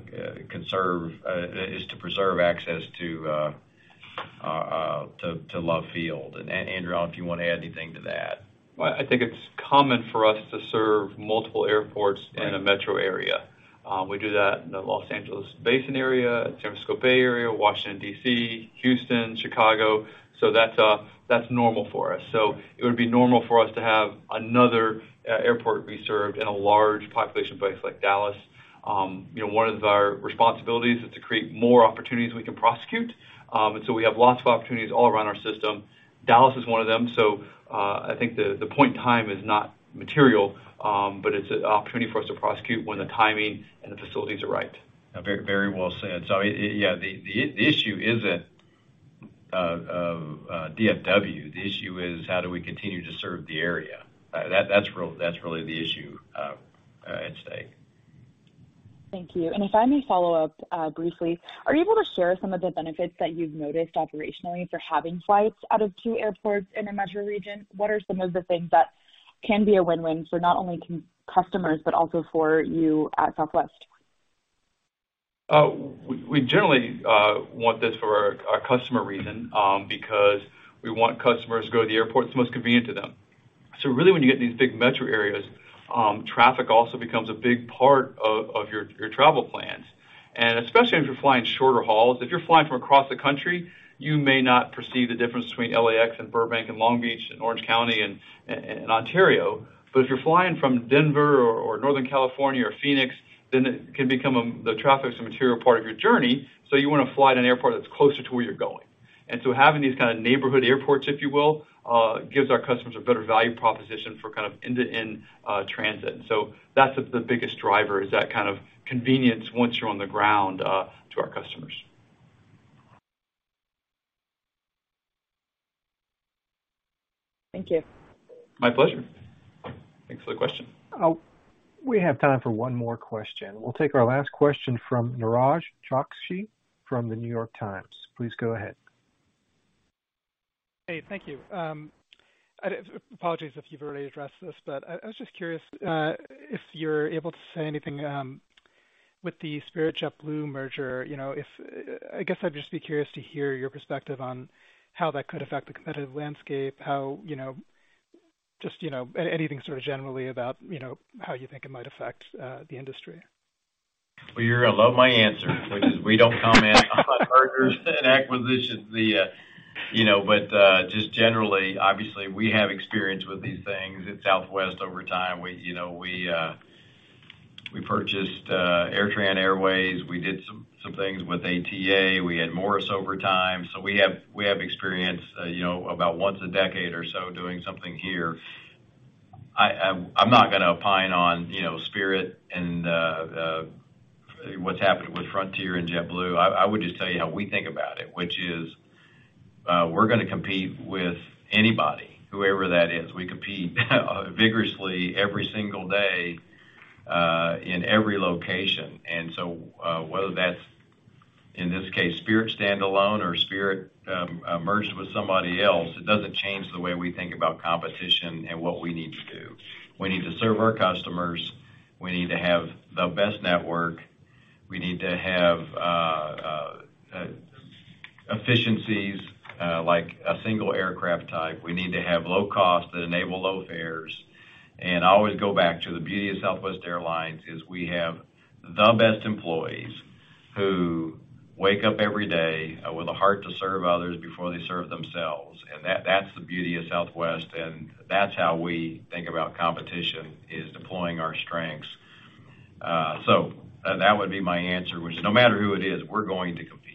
preserve access to Love Field. Andrew, I don't know if you wanna add anything to that. Well, I think it's common for us to serve multiple airports in a metro area. We do that in the Los Angeles Basin area, San Francisco Bay Area, Washington, D.C., Houston, Chicago. That's normal for us. It would be normal for us to have another airport be served in a large population place like Dallas. You know, one of our responsibilities is to create more opportunities we can prosecute. We have lots of opportunities all around our system. Dallas is one of them. I think the point in time is not material, but it's an opportunity for us to prosecute when the timing and the facilities are right. Very, very well said. Yeah, the issue isn't DFW. The issue is how do we continue to serve the area. That's really the issue at stake. Thank you. If I may follow up, briefly. Are you able to share some of the benefits that you've noticed operationally for having flights out of two airports in a metro region? What are some of the things that can be a win-win for not only customers, but also for you at Southwest? We generally want this for our customer reason, because we want customers to go to the airport that's most convenient to them. Really when you get these big metro areas, traffic also becomes a big part of your travel plans. Especially if you're flying shorter hauls. If you're flying from across the country, you may not perceive the difference between LAX and Burbank and Long Beach and Orange County and in Ontario. If you're flying from Denver or Northern California or Phoenix, then it can become a the traffic's a material part of your journey, so you wanna fly to an airport that's closer to where you're going. Having these kind of neighborhood airports, if you will, gives our customers a better value proposition for kind of end-to-end transit. That's the biggest driver is that kind of convenience once you're on the ground to our customers. Thank you. My pleasure. Thanks for the question. We have time for one more question. We'll take our last question from Niraj Chokshi from The New York Times. Please go ahead. Hey, thank you. Apologies if you've already addressed this, but I was just curious if you're able to say anything with the Spirit-JetBlue merger, you know, if I guess I'd just be curious to hear your perspective on how that could affect the competitive landscape, how, you know, just, you know, anything sort of generally about, you know, how you think it might affect the industry. Well, you're gonna love my answer, which is we don't comment on mergers and acquisitions. You know, but just generally, obviously, we have experience with these things at Southwest over time. We, you know, we purchased AirTran Airways. We did some things with ATA. We had Morris over time. We have experience, you know, about once a decade or so doing something here. I'm not gonna opine on, you know, Spirit and what's happened with Frontier and JetBlue. I would just tell you how we think about it, which is, we're gonna compete with anybody, whoever that is. We compete vigorously every single day in every location. Whether that's, in this case, Spirit standalone or Spirit merged with somebody else, it doesn't change the way we think about competition and what we need to do. We need to serve our customers. We need to have the best network. We need to have efficiencies, like a single aircraft type. We need to have low costs that enable low fares. I always go back to the beauty of Southwest Airlines is we have the best employees who wake up every day with a heart to serve others before they serve themselves. That's the beauty of Southwest, and that's how we think about competition, is deploying our strengths. That would be my answer, which no matter who it is, we're going to compete.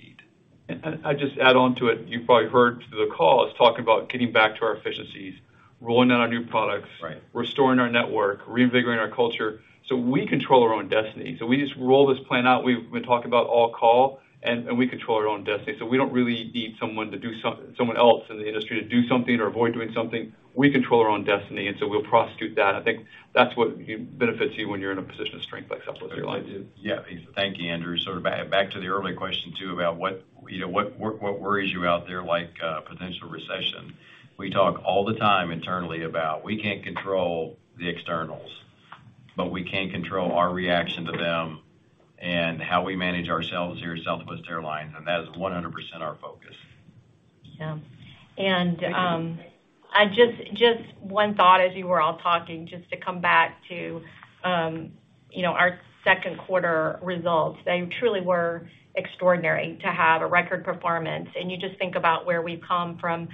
I'll just add on to it, you probably heard through the call, us talk about getting back to our efficiencies, rolling out our new products. Right. Restoring our network, reinvigorating our culture, so we control our own destiny. We just roll this plan out. We talk about all call, and we control our own destiny. We don't really need someone else in the industry to do something or avoid doing something. We control our own destiny, and so we'll prosecute that. I think that's what benefits you when you're in a position of strength like Southwest Airlines. Yeah. Thank you, Andrew. Sort of back to the earlier question, too, about what, you know, worries you out there, like, potential recession. We talk all the time internally about we can't control the externals, but we can control our reaction to them and how we manage ourselves here at Southwest Airlines, and that is 100% our focus. Yeah. I just one thought as you were all talking, just to come back to you know, our second quarter results. They truly were extraordinary to have a record performance. You just think about where we've come from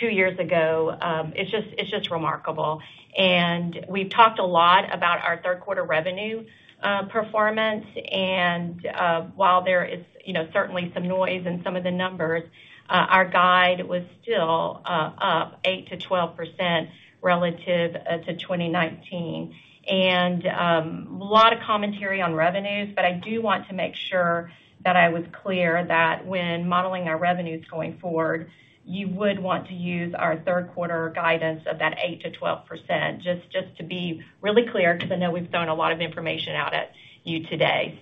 two years ago, it's just remarkable. We've talked a lot about our third quarter revenue performance, and while there is you know, certainly some noise in some of the numbers, our guide was still up 8%-12% relative to 2019. A lot of commentary on revenues, but I do want to make sure that I was clear that when modeling our revenues going forward, you would want to use our third quarter guidance of that 8%-12%, just to be really clear because I know we've thrown a lot of information out at you today.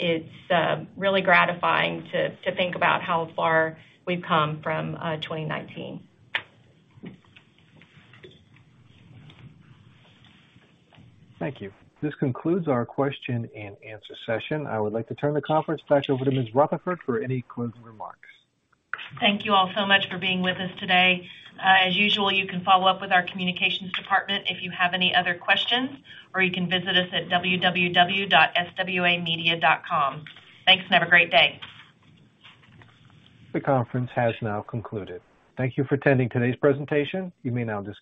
It's really gratifying to think about how far we've come from 2019. Thank you. This concludes our question and answer session. I would like to turn the conference back over to Ms. Rutherford for any closing remarks. Thank you all so much for being with us today. As usual, you can follow up with our communications department if you have any other questions, or you can visit us at www.swamedia.com. Thanks, and have a great day. The conference has now concluded. Thank you for attending today's presentation. You may now disconnect.